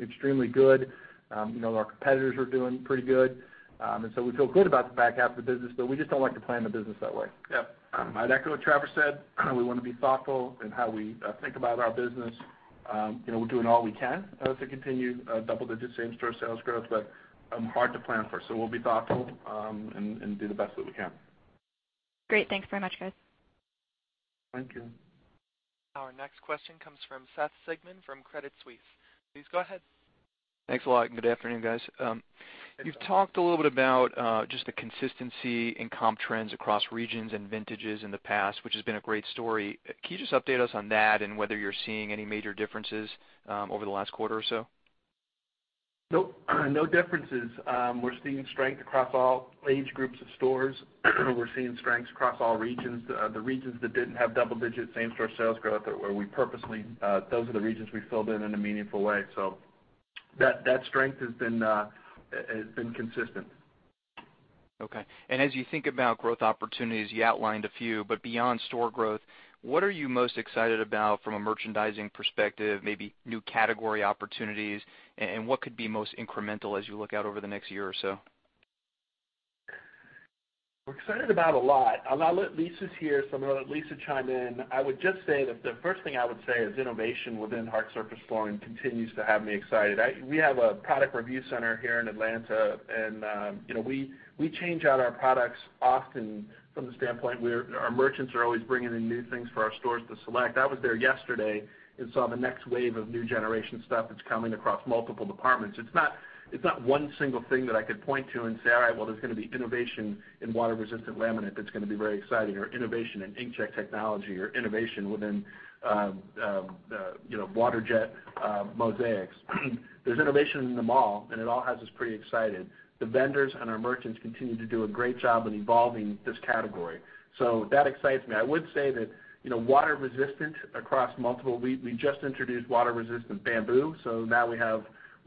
extremely good. Our competitors are doing pretty good. We feel good about the back half of the business. We just don't like to plan the business that way. Yeah. I'd echo what Trevor said. We want to be thoughtful in how we think about our business. We're doing all we can to continue double-digit same-store sales growth, but hard to plan for. We'll be thoughtful and do the best that we can. Great. Thanks very much, guys. Thank you. Our next question comes from Seth Sigman from Credit Suisse. Please go ahead. Thanks a lot. Good afternoon, guys. Hey, Seth. You've talked a little bit about just the consistency in comp trends across regions and vintages in the past, which has been a great story. Can you just update us on that and whether you're seeing any major differences over the last quarter or so? Nope. No differences. We're seeing strength across all age groups of stores. We're seeing strengths across all regions. The regions that didn't have double-digit same-store sales growth are where we purposefully those are the regions we filled in in a meaningful way. That strength has been consistent. Okay. As you think about growth opportunities, you outlined a few, beyond store growth, what are you most excited about from a merchandising perspective, maybe new category opportunities, and what could be most incremental as you look out over the next year or so? We're excited about a lot. Lisa's here, so I'm going to let Lisa chime in. I would just say that the first thing I would say is innovation within hard surface flooring continues to have me excited. We have a product review center here in Atlanta, we change out our products often from the standpoint where our merchants are always bringing in new things for our stores to select. I was there yesterday and saw the next wave of new generation stuff that's coming across multiple departments. It's not one single thing that I could point to and say, "All right, well, there's going to be innovation in water-resistant laminate that's going to be very exciting," or innovation in inkjet technology, or innovation within water jet mosaics. There's innovation in them all, it all has us pretty excited. The vendors and our merchants continue to do a great job in evolving this category, that excites me. We just introduced water-resistant bamboo,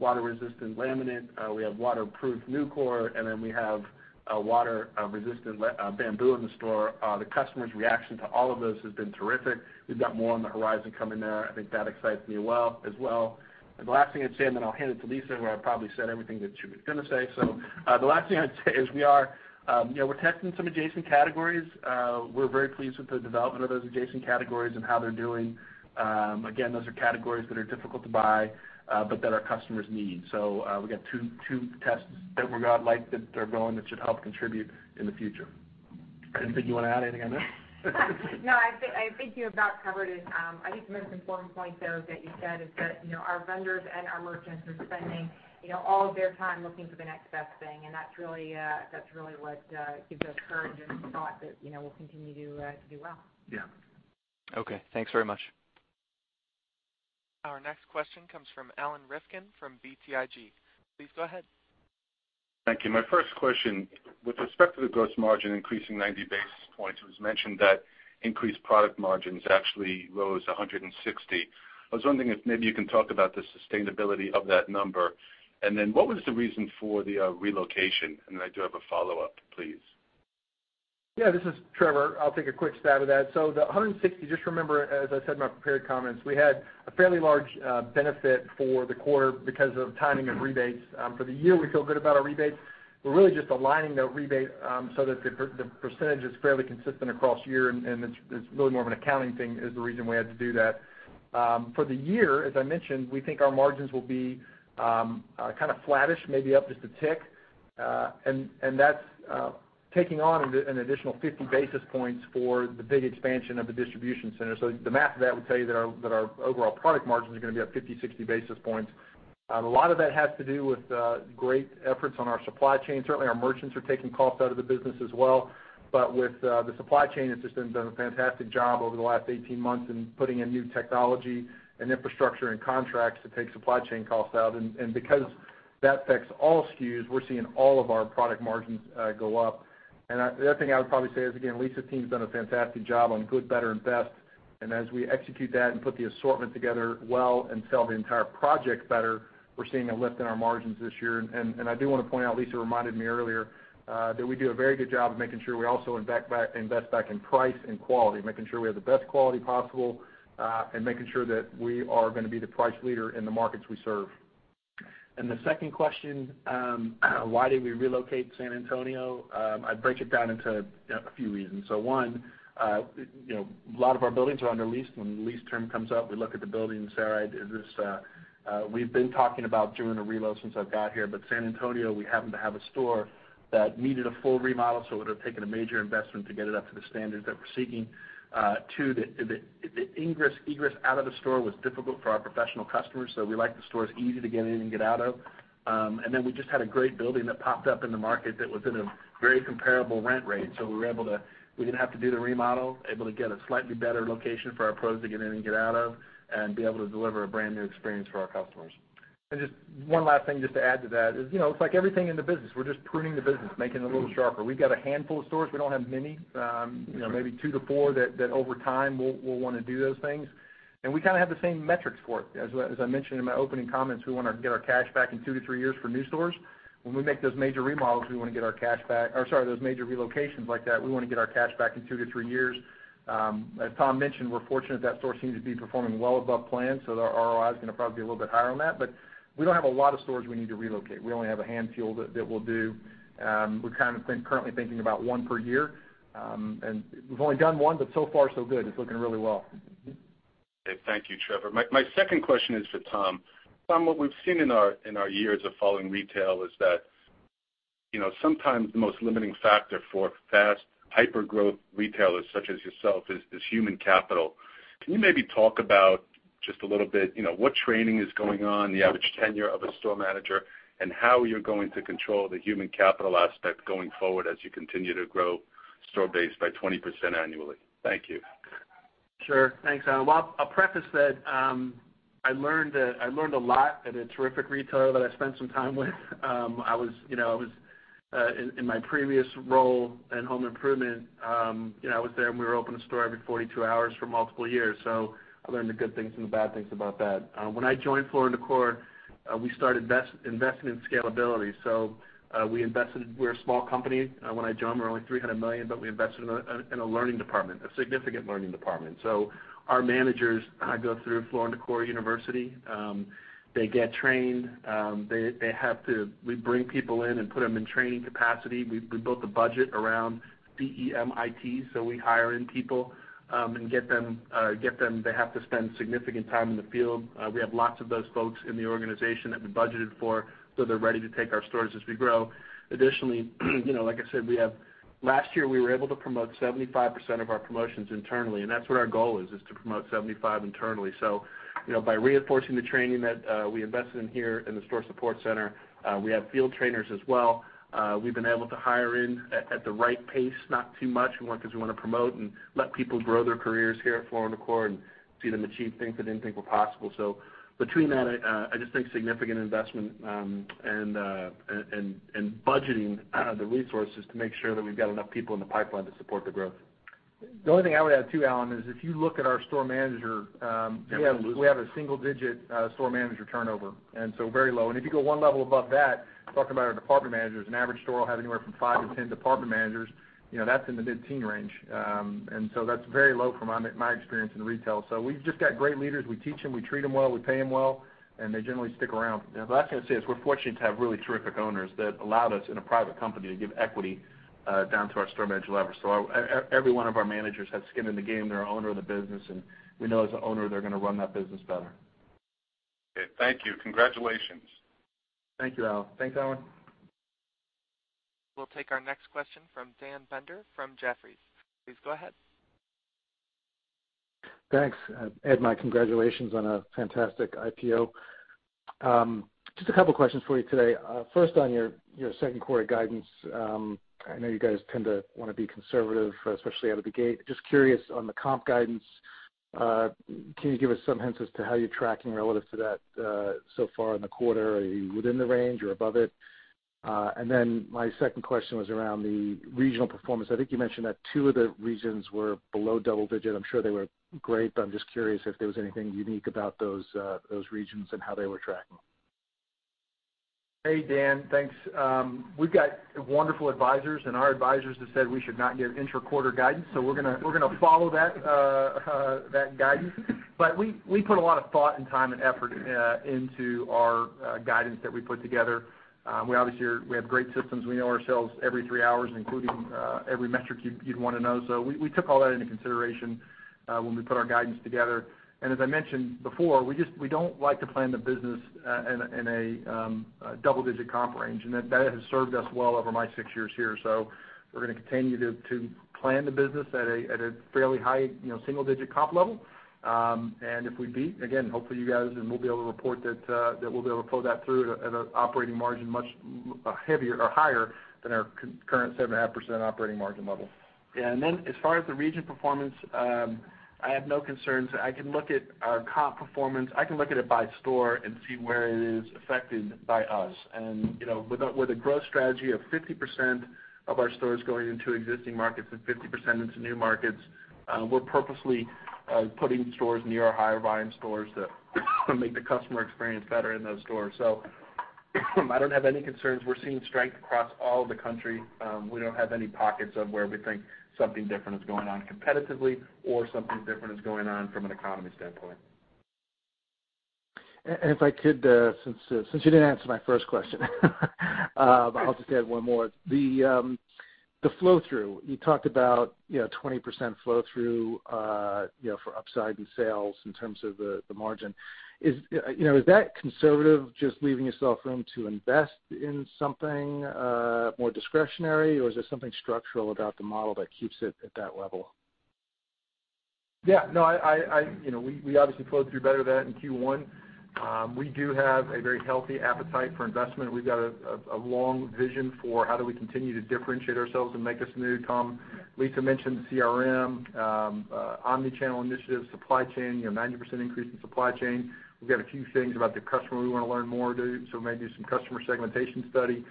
now we have water-resistant laminate, we have waterproof NuCore, we have a water-resistant bamboo in the store. The customers' reaction to all of those has been terrific. We've got more on the horizon coming there. I think that excites me as well. The last thing I'd say, I'll hand it to Lisa, where I've probably said everything that she was going to say. The last thing I'd say is we're testing some adjacent categories. We're very pleased with the development of those adjacent categories and how they're doing. Again, those are categories that are difficult to buy, that our customers need. We've got two tests that we got like that are going that should help contribute in the future. Anything you want to add anything on this? No, I think you about covered it. I think the most important point, though, that you said is that our vendors and our merchants are spending all of their time looking for the next best thing, and that's really what gives us courage and thought that we'll continue to do well. Yeah. Okay. Thanks very much. Our next question comes from Alan Rifkin from BTIG. Please go ahead. Thank you. My first question, with respect to the gross margin increasing 90 basis points, it was mentioned that increased product margins actually rose 160. I was wondering if maybe you can talk about the sustainability of that number, and then what was the reason for the relocation? Then I do have a follow-up, please. Yeah, this is Trevor. I'll take a quick stab at that. The 160, just remember, as I said in my prepared comments, we had a fairly large benefit for the quarter because of timing of rebates. For the year, we feel good about our rebates. We're really just aligning the rebate so that the percentage is fairly consistent across year. It's really more of an accounting thing is the reason we had to do that. For the year, as I mentioned, we think our margins will be kind of flattish, maybe up just a tick. That's taking on an additional 50 basis points for the big expansion of the distribution center. The math of that would tell you that our overall product margins are going to be up 50, 60 basis points. A lot of that has to do with great efforts on our supply chain. Certainly, our merchants are taking costs out of the business as well. With the supply chain, it's just done a fantastic job over the last 18 months in putting in new technology and infrastructure and contracts to take supply chain costs out. Because that affects all SKUs, we're seeing all of our product margins go up. The other thing I would probably say is, again, Lisa's team's done a fantastic job on good, better, and best. As we execute that and put the assortment together well and sell the entire project better, we're seeing a lift in our margins this year. I do want to point out, Lisa reminded me earlier, that we do a very good job of making sure we also invest back in price and quality, making sure we have the best quality possible, and making sure that we are going to be the price leader in the markets we serve. The second question, why did we relocate to San Antonio? I'd break it down into a few reasons. One, a lot of our buildings are under lease. When the lease term comes up, we look at the building and say, all right, we've been talking about doing a relo since I've got here. San Antonio, we happened to have a store that needed a full remodel, so it would have taken a major investment to get it up to the standards that we're seeking. Two, the ingress, egress out of the store was difficult for our professional customers. We like the stores easy to get in and get out of. We just had a great building that popped up in the market that was in a very comparable rent rate. We didn't have to do the remodel, able to get a slightly better location for our pros to get in and get out of and be able to deliver a brand-new experience for our customers. Just one last thing just to add to that is, it's like everything in the business. We're just pruning the business, making it a little sharper. We've got a handful of stores. We don't have many, maybe two to four that over time we'll want to do those things. We kind of have the same metrics for it. As I mentioned in my opening comments, we want to get our cash back in two to three years for new stores. When we make those major relocations like that, we want to get our cash back in two to three years. As Tom mentioned, we're fortunate that store seems to be performing well above plan, so our ROI is going to probably be a little bit higher on that, but we don't have a lot of stores we need to relocate. We only have a handful that we'll do. We're currently thinking about one per year. We've only done one, but so far so good. It's looking really well. Okay. Thank you, Trevor. My second question is for Tom. Tom, what we've seen in our years of following retail is that sometimes the most limiting factor for fast hypergrowth retailers such as yourself is human capital. Can you maybe talk about just a little bit, what training is going on, the average tenure of a store manager, and how you're going to control the human capital aspect going forward as you continue to grow store base by 20% annually? Thank you. Sure. Thanks, Alan. Well, I'll preface that I learned a lot at a terrific retailer that I spent some time with in my previous role in home improvement. I was there, we were opening a store every 42 hours for multiple years. I learned the good things and the bad things about that. When I joined Floor & Decor, we started investing in scalability. We're a small company. When I joined, we were only $300 million, we invested in a learning department, a significant learning department. Our managers go through Floor & Decor University. They get trained. We bring people in and put them in training capacity. We built a budget around DEMIT, we hire in people, and they have to spend significant time in the field. We have lots of those folks in the organization that we budgeted for, they're ready to take our stores as we grow. Additionally, like I said, last year, we were able to promote 75% of our promotions internally, and that's what our goal is to promote 75 internally. By reinforcing the training that we invested in here in the store support center, we have field trainers as well. We've been able to hire in at the right pace, not too much because we want to promote and let people grow their careers here at Floor & Decor and see them achieve things they didn't think were possible. Between that, I just think significant investment and budgeting the resources to make sure that we've got enough people in the pipeline to support the growth. The only thing I would add, too, Alan, is if you look at our store manager. Yeah. We have a single-digit store manager turnover, very low. If you go one level above that, talking about our department managers, an average store will have anywhere from five to 10 department managers. That's in the mid-teen range. That's very low from my experience in retail. We've just got great leaders. We teach them, we treat them well, we pay them well, and they generally stick around. The last thing I'd say is we're fortunate to have really terrific owners that allowed us, in a private company, to give equity down to our store manager level. Every one of our managers has skin in the game. They're an owner of the business, and we know as an owner, they're going to run that business better. Okay. Thank you. Congratulations. Thank you, Al. Thanks, Alan. We'll take our next question from Daniel Binder from Jefferies. Please go ahead. Thanks. And my congratulations on a fantastic IPO. Just a couple of questions for you today. First, on your second quarter guidance, I know you guys tend to want to be conservative, especially out of the gate. Just curious on the comp guidance, can you give us some hints as to how you're tracking relative to that so far in the quarter? Are you within the range or above it? Then my second question was around the regional performance. I think you mentioned that two of the regions were below double-digit. I'm sure they were great, but I'm just curious if there was anything unique about those regions and how they were tracking. Hey, Dan. Thanks. We've got wonderful advisors, and our advisors have said we should not give intra-quarter guidance, so we're going to follow that guidance. We put a lot of thought and time and effort into our guidance that we put together. We obviously have great systems. We know ourselves every three hours, including every metric you'd want to know. So we took all that into consideration when we put our guidance together. As I mentioned before, we don't like to plan the business in a double-digit comp range, and that has served us well over my six years here. So we're going to continue to plan the business at a fairly high single-digit comp level. If we beat, again, hopefully you guys and we'll be able to report that we'll be able to pull that through at an operating margin much heavier or higher than our current 7.5% operating margin level. As far as the region performance, I have no concerns. I can look at our comp performance. I can look at it by store and see where it is affected by us. With a growth strategy of 50% of our stores going into existing markets and 50% into new markets, we're purposely putting stores near our higher volume stores to make the customer experience better in those stores. I don't have any concerns. We're seeing strength across all of the country. We don't have any pockets of where we think something different is going on competitively or something different is going on from an economy standpoint. If I could, since you didn't answer my first question, I'll just add one more. The flow-through, you talked about 20% flow-through for upside in sales in terms of the margin. Is that conservative, just leaving yourself room to invest in something more discretionary, or is there something structural about the model that keeps it at that level? We obviously flowed through better than that in Q1. We do have a very healthy appetite for investment. We've got a long vision for how do we continue to differentiate ourselves and make us new, Tom. Lisa mentioned CRM, omni-channel initiatives, supply chain, 90% increase in supply chain. We've got a few things about the customer we want to learn more, maybe do some customer segmentation study.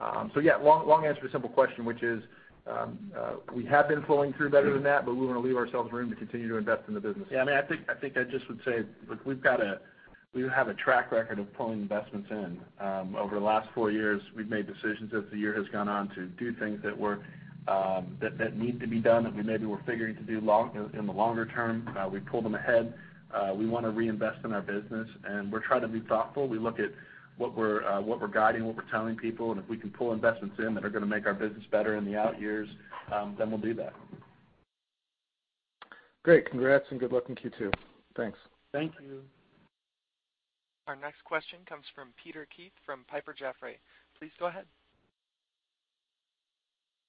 Long answer to a simple question, which is, we have been flowing through better than that, but we want to leave ourselves room to continue to invest in the business. I think I just would say, look, we have a track record of pulling investments in. Over the last 4 years, we've made decisions as the year has gone on to do things that need to be done that we maybe were figuring to do in the longer term. We pulled them ahead. We want to reinvest in our business, and we're trying to be thoughtful. We look at what we're guiding, what we're telling people, and if we can pull investments in that are going to make our business better in the out years, then we'll do that. Great. Congrats and good luck in Q2. Thanks. Thank you. Our next question comes from Peter Keith from Piper Jaffray. Please go ahead.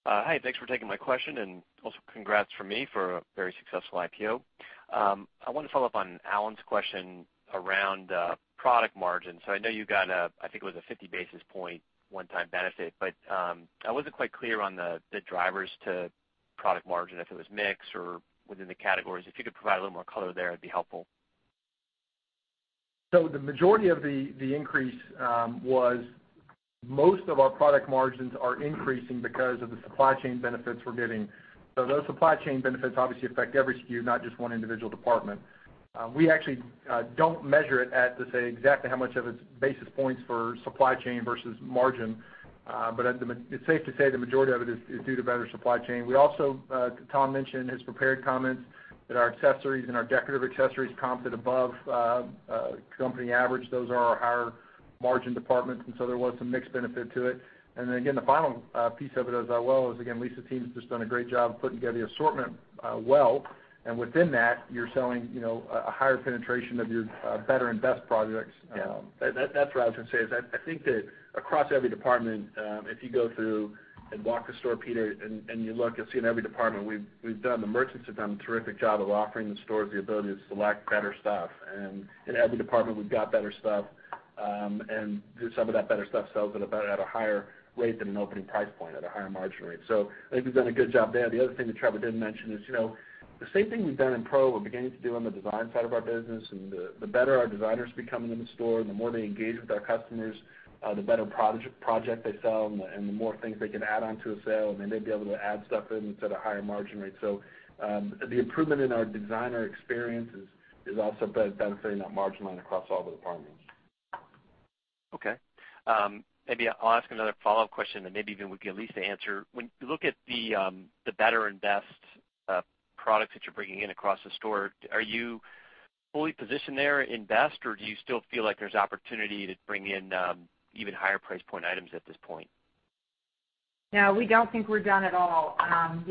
Hi. Thanks for taking my question, and also congrats from me for a very successful IPO. I wanted to follow up on Alan's question around product margin. I know you got, I think it was a 50 basis point one-time benefit, but I wasn't quite clear on the drivers to product margin, if it was mix or within the categories. If you could provide a little more color there, it'd be helpful. The majority of the increase was most of our product margins are increasing because of the supply chain benefits we're getting. Those supply chain benefits obviously affect every SKU, not just one individual department. We actually don't measure it as to say exactly how much of it's basis points for supply chain versus margin. It's safe to say the majority of it is due to better supply chain. We also, Tom mentioned in his prepared comments that our accessories and our decorative accessories comped above company average. Those are our higher margin departments, there was some mixed benefit to it. Again, the final piece of it as well is, again, Lisa's team has just done a great job of putting together the assortment well. Within that, you're selling a higher penetration of your better and best projects. Yeah. That's what I was going to say, is I think that across every department, if you go through and walk the store, Peter, and you look, you'll see in every department, the merchants have done a terrific job of offering the stores the ability to select better stuff. In every department, we've got better stuff, and some of that better stuff sells at a better, at a higher rate than an opening price point, at a higher margin rate. I think we've done a good job there. The other thing that Trevor didn't mention is the same thing we've done in pro, we're beginning to do on the design side of our business. The better our designers become in the store, the more they engage with our customers, the better project they sell and the more things they can add on to a sale, and they may be able to add stuff in instead of higher margin rates. The improvement in our designer experience is also benefiting that margin line across all the departments. Okay. Maybe I'll ask another follow-up question that maybe even we get Lisa to answer. When you look at the better and best products that you're bringing in across the store, are you fully positioned there in best, or do you still feel like there's opportunity to bring in even higher price point items at this point? No, we don't think we're done at all.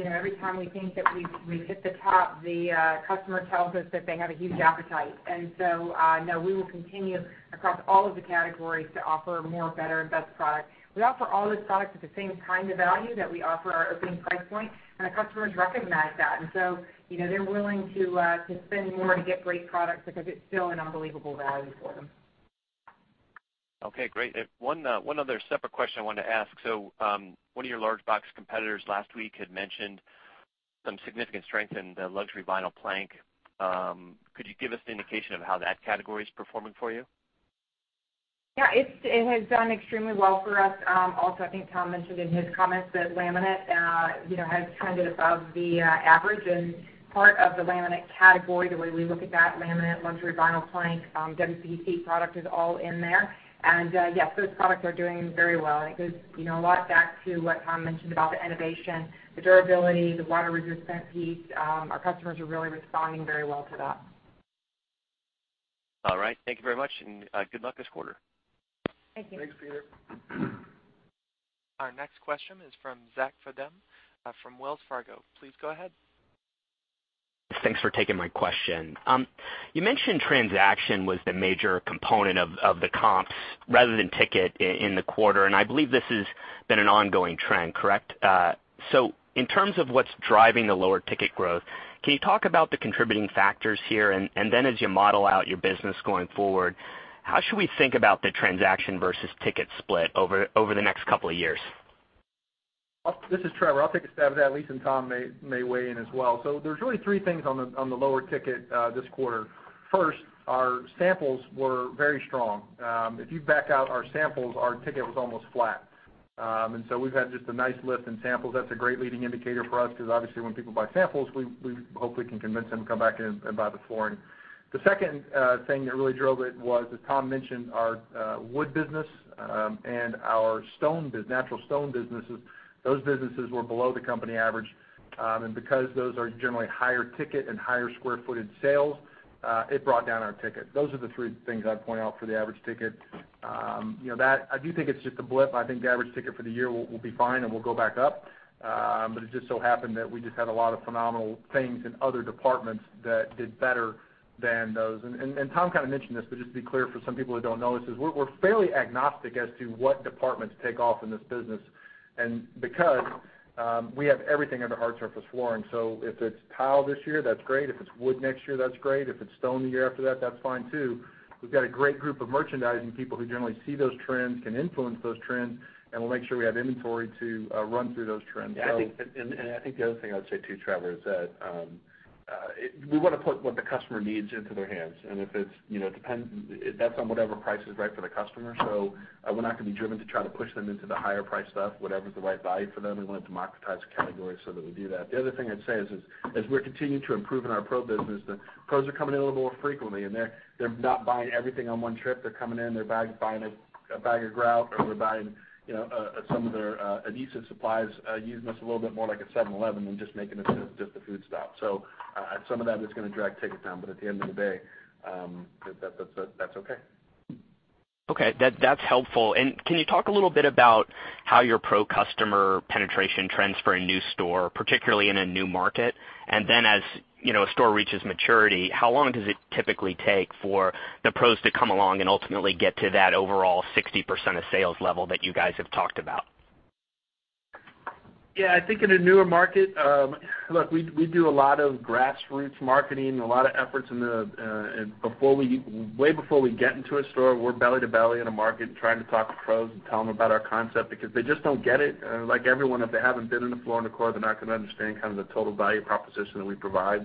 Every time we think that we've hit the top, the customer tells us that they have a huge appetite. No, we will continue across all of the categories to offer more better and best product. We offer all those products at the same kind of value that we offer our opening price point, and our customers recognize that. They're willing to spend more to get great products because it's still an unbelievable value for them. Okay, great. One other separate question I wanted to ask. One of your large box competitors last week had mentioned some significant strength in the luxury vinyl plank. Could you give us an indication of how that category is performing for you? Yeah, it has done extremely well for us. Also, I think Tom mentioned in his comments that laminate has trended above the average and part of the laminate category, the way we look at that, laminate, luxury vinyl plank, WPC product is all in there. Yes, those products are doing very well. It goes a lot back to what Tom mentioned about the innovation, the durability, the water resistance piece. Our customers are really responding very well to that. All right. Thank you very much, and good luck this quarter. Thank you. Thanks, Peter. Our next question is from Zachary Fadem from Wells Fargo. Please go ahead. Thanks for taking my question. You mentioned transaction was the major component of the comps rather than ticket in the quarter, and I believe this has been an ongoing trend, correct? In terms of what's driving the lower ticket growth, can you talk about the contributing factors here? As you model out your business going forward, how should we think about the transaction versus ticket split over the next couple of years? This is Trevor. I'll take a stab at that. Lisa and Tom may weigh in as well. There's really three things on the lower ticket this quarter. First, our samples were very strong. If you back out our samples, our ticket was almost flat. We've had just a nice lift in samples. That's a great leading indicator for us because obviously when people buy samples, we hopefully can convince them to come back in and buy the flooring. The second thing that really drove it was, as Tom mentioned, our wood business and our natural stone businesses. Those businesses were below the company average, and because those are generally higher ticket and higher square footage sales, it brought down our ticket. Those are the three things I'd point out for the average ticket. I do think it's just a blip. I think the average ticket for the year will be fine and will go back up. It just so happened that we just had a lot of phenomenal things in other departments that did better than those. Tom kind of mentioned this, but just to be clear for some people who don't know this, is we're fairly agnostic as to what departments take off in this business, and because we have everything under hard surface flooring. If it's tile this year, that's great. If it's wood next year, that's great. If it's stone the year after that's fine, too. We've got a great group of merchandising people who generally see those trends, can influence those trends, and we'll make sure we have inventory to run through those trends. I think the other thing I would say, too, Trevor, is that we want to put what the customer needs into their hands, and that's on whatever price is right for the customer. We're not going to be driven to try to push them into the higher priced stuff. Whatever's the right value for them, we want to democratize the category so that we do that. The other thing I'd say is, as we're continuing to improve in our pro business, the pros are coming in a little more frequently, and they're not buying everything on one trip. They're coming in, they're buying a bag of grout, or they're buying some of their adhesive supplies, using us a little bit more like a 7-Eleven than just making us just a food stop. Some of that is going to drag ticket down. At the end of the day, that's okay. Okay, that's helpful. Can you talk a little bit about how your pro customer penetration trends for a new store, particularly in a new market? As a store reaches maturity, how long does it typically take for the pros to come along and ultimately get to that overall 60% of sales level that you guys have talked about? Yeah, I think in a newer market, look, we do a lot of grassroots marketing, a lot of efforts way before we get into a store. We're belly to belly in a market trying to talk to pros and tell them about our concept because they just don't get it. Like everyone, if they haven't been in a Floor & Decor, they're not going to understand the total value proposition that we provide.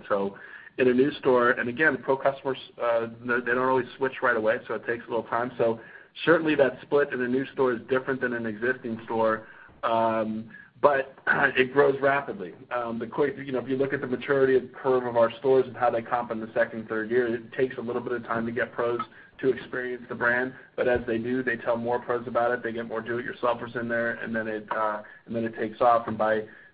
In a new store, again, pro customers, they don't always switch right away, it takes a little time. Certainly that split in a new store is different than an existing store, but it grows rapidly. If you look at the maturity curve of our stores and how they comp in the second, third year, it takes a little bit of time to get pros to experience the brand. As they do, they tell more pros about it, they get more do-it-yourselfers in there, it takes off.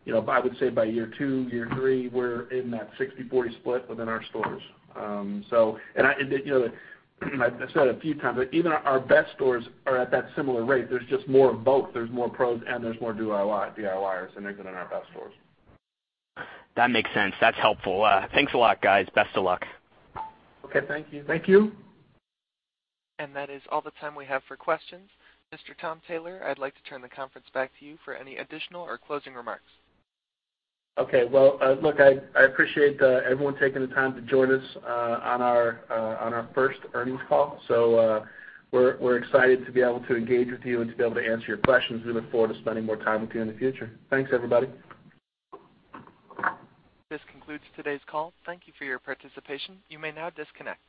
I would say by year two, year three, we're in that 60/40 split within our stores. I've said a few times, even our best stores are at that similar rate. There's just more of both. There's more pros and there's more DIYers, and they're good in our best stores. That makes sense. That's helpful. Thanks a lot, guys. Best of luck. Okay, thank you. Thank you. That is all the time we have for questions. Mr. Tom Taylor, I'd like to turn the conference back to you for any additional or closing remarks. Okay. Well, look, I appreciate everyone taking the time to join us on our first earnings call. We're excited to be able to engage with you and to be able to answer your questions. We look forward to spending more time with you in the future. Thanks, everybody. This concludes today's call. Thank you for your participation. You may now disconnect.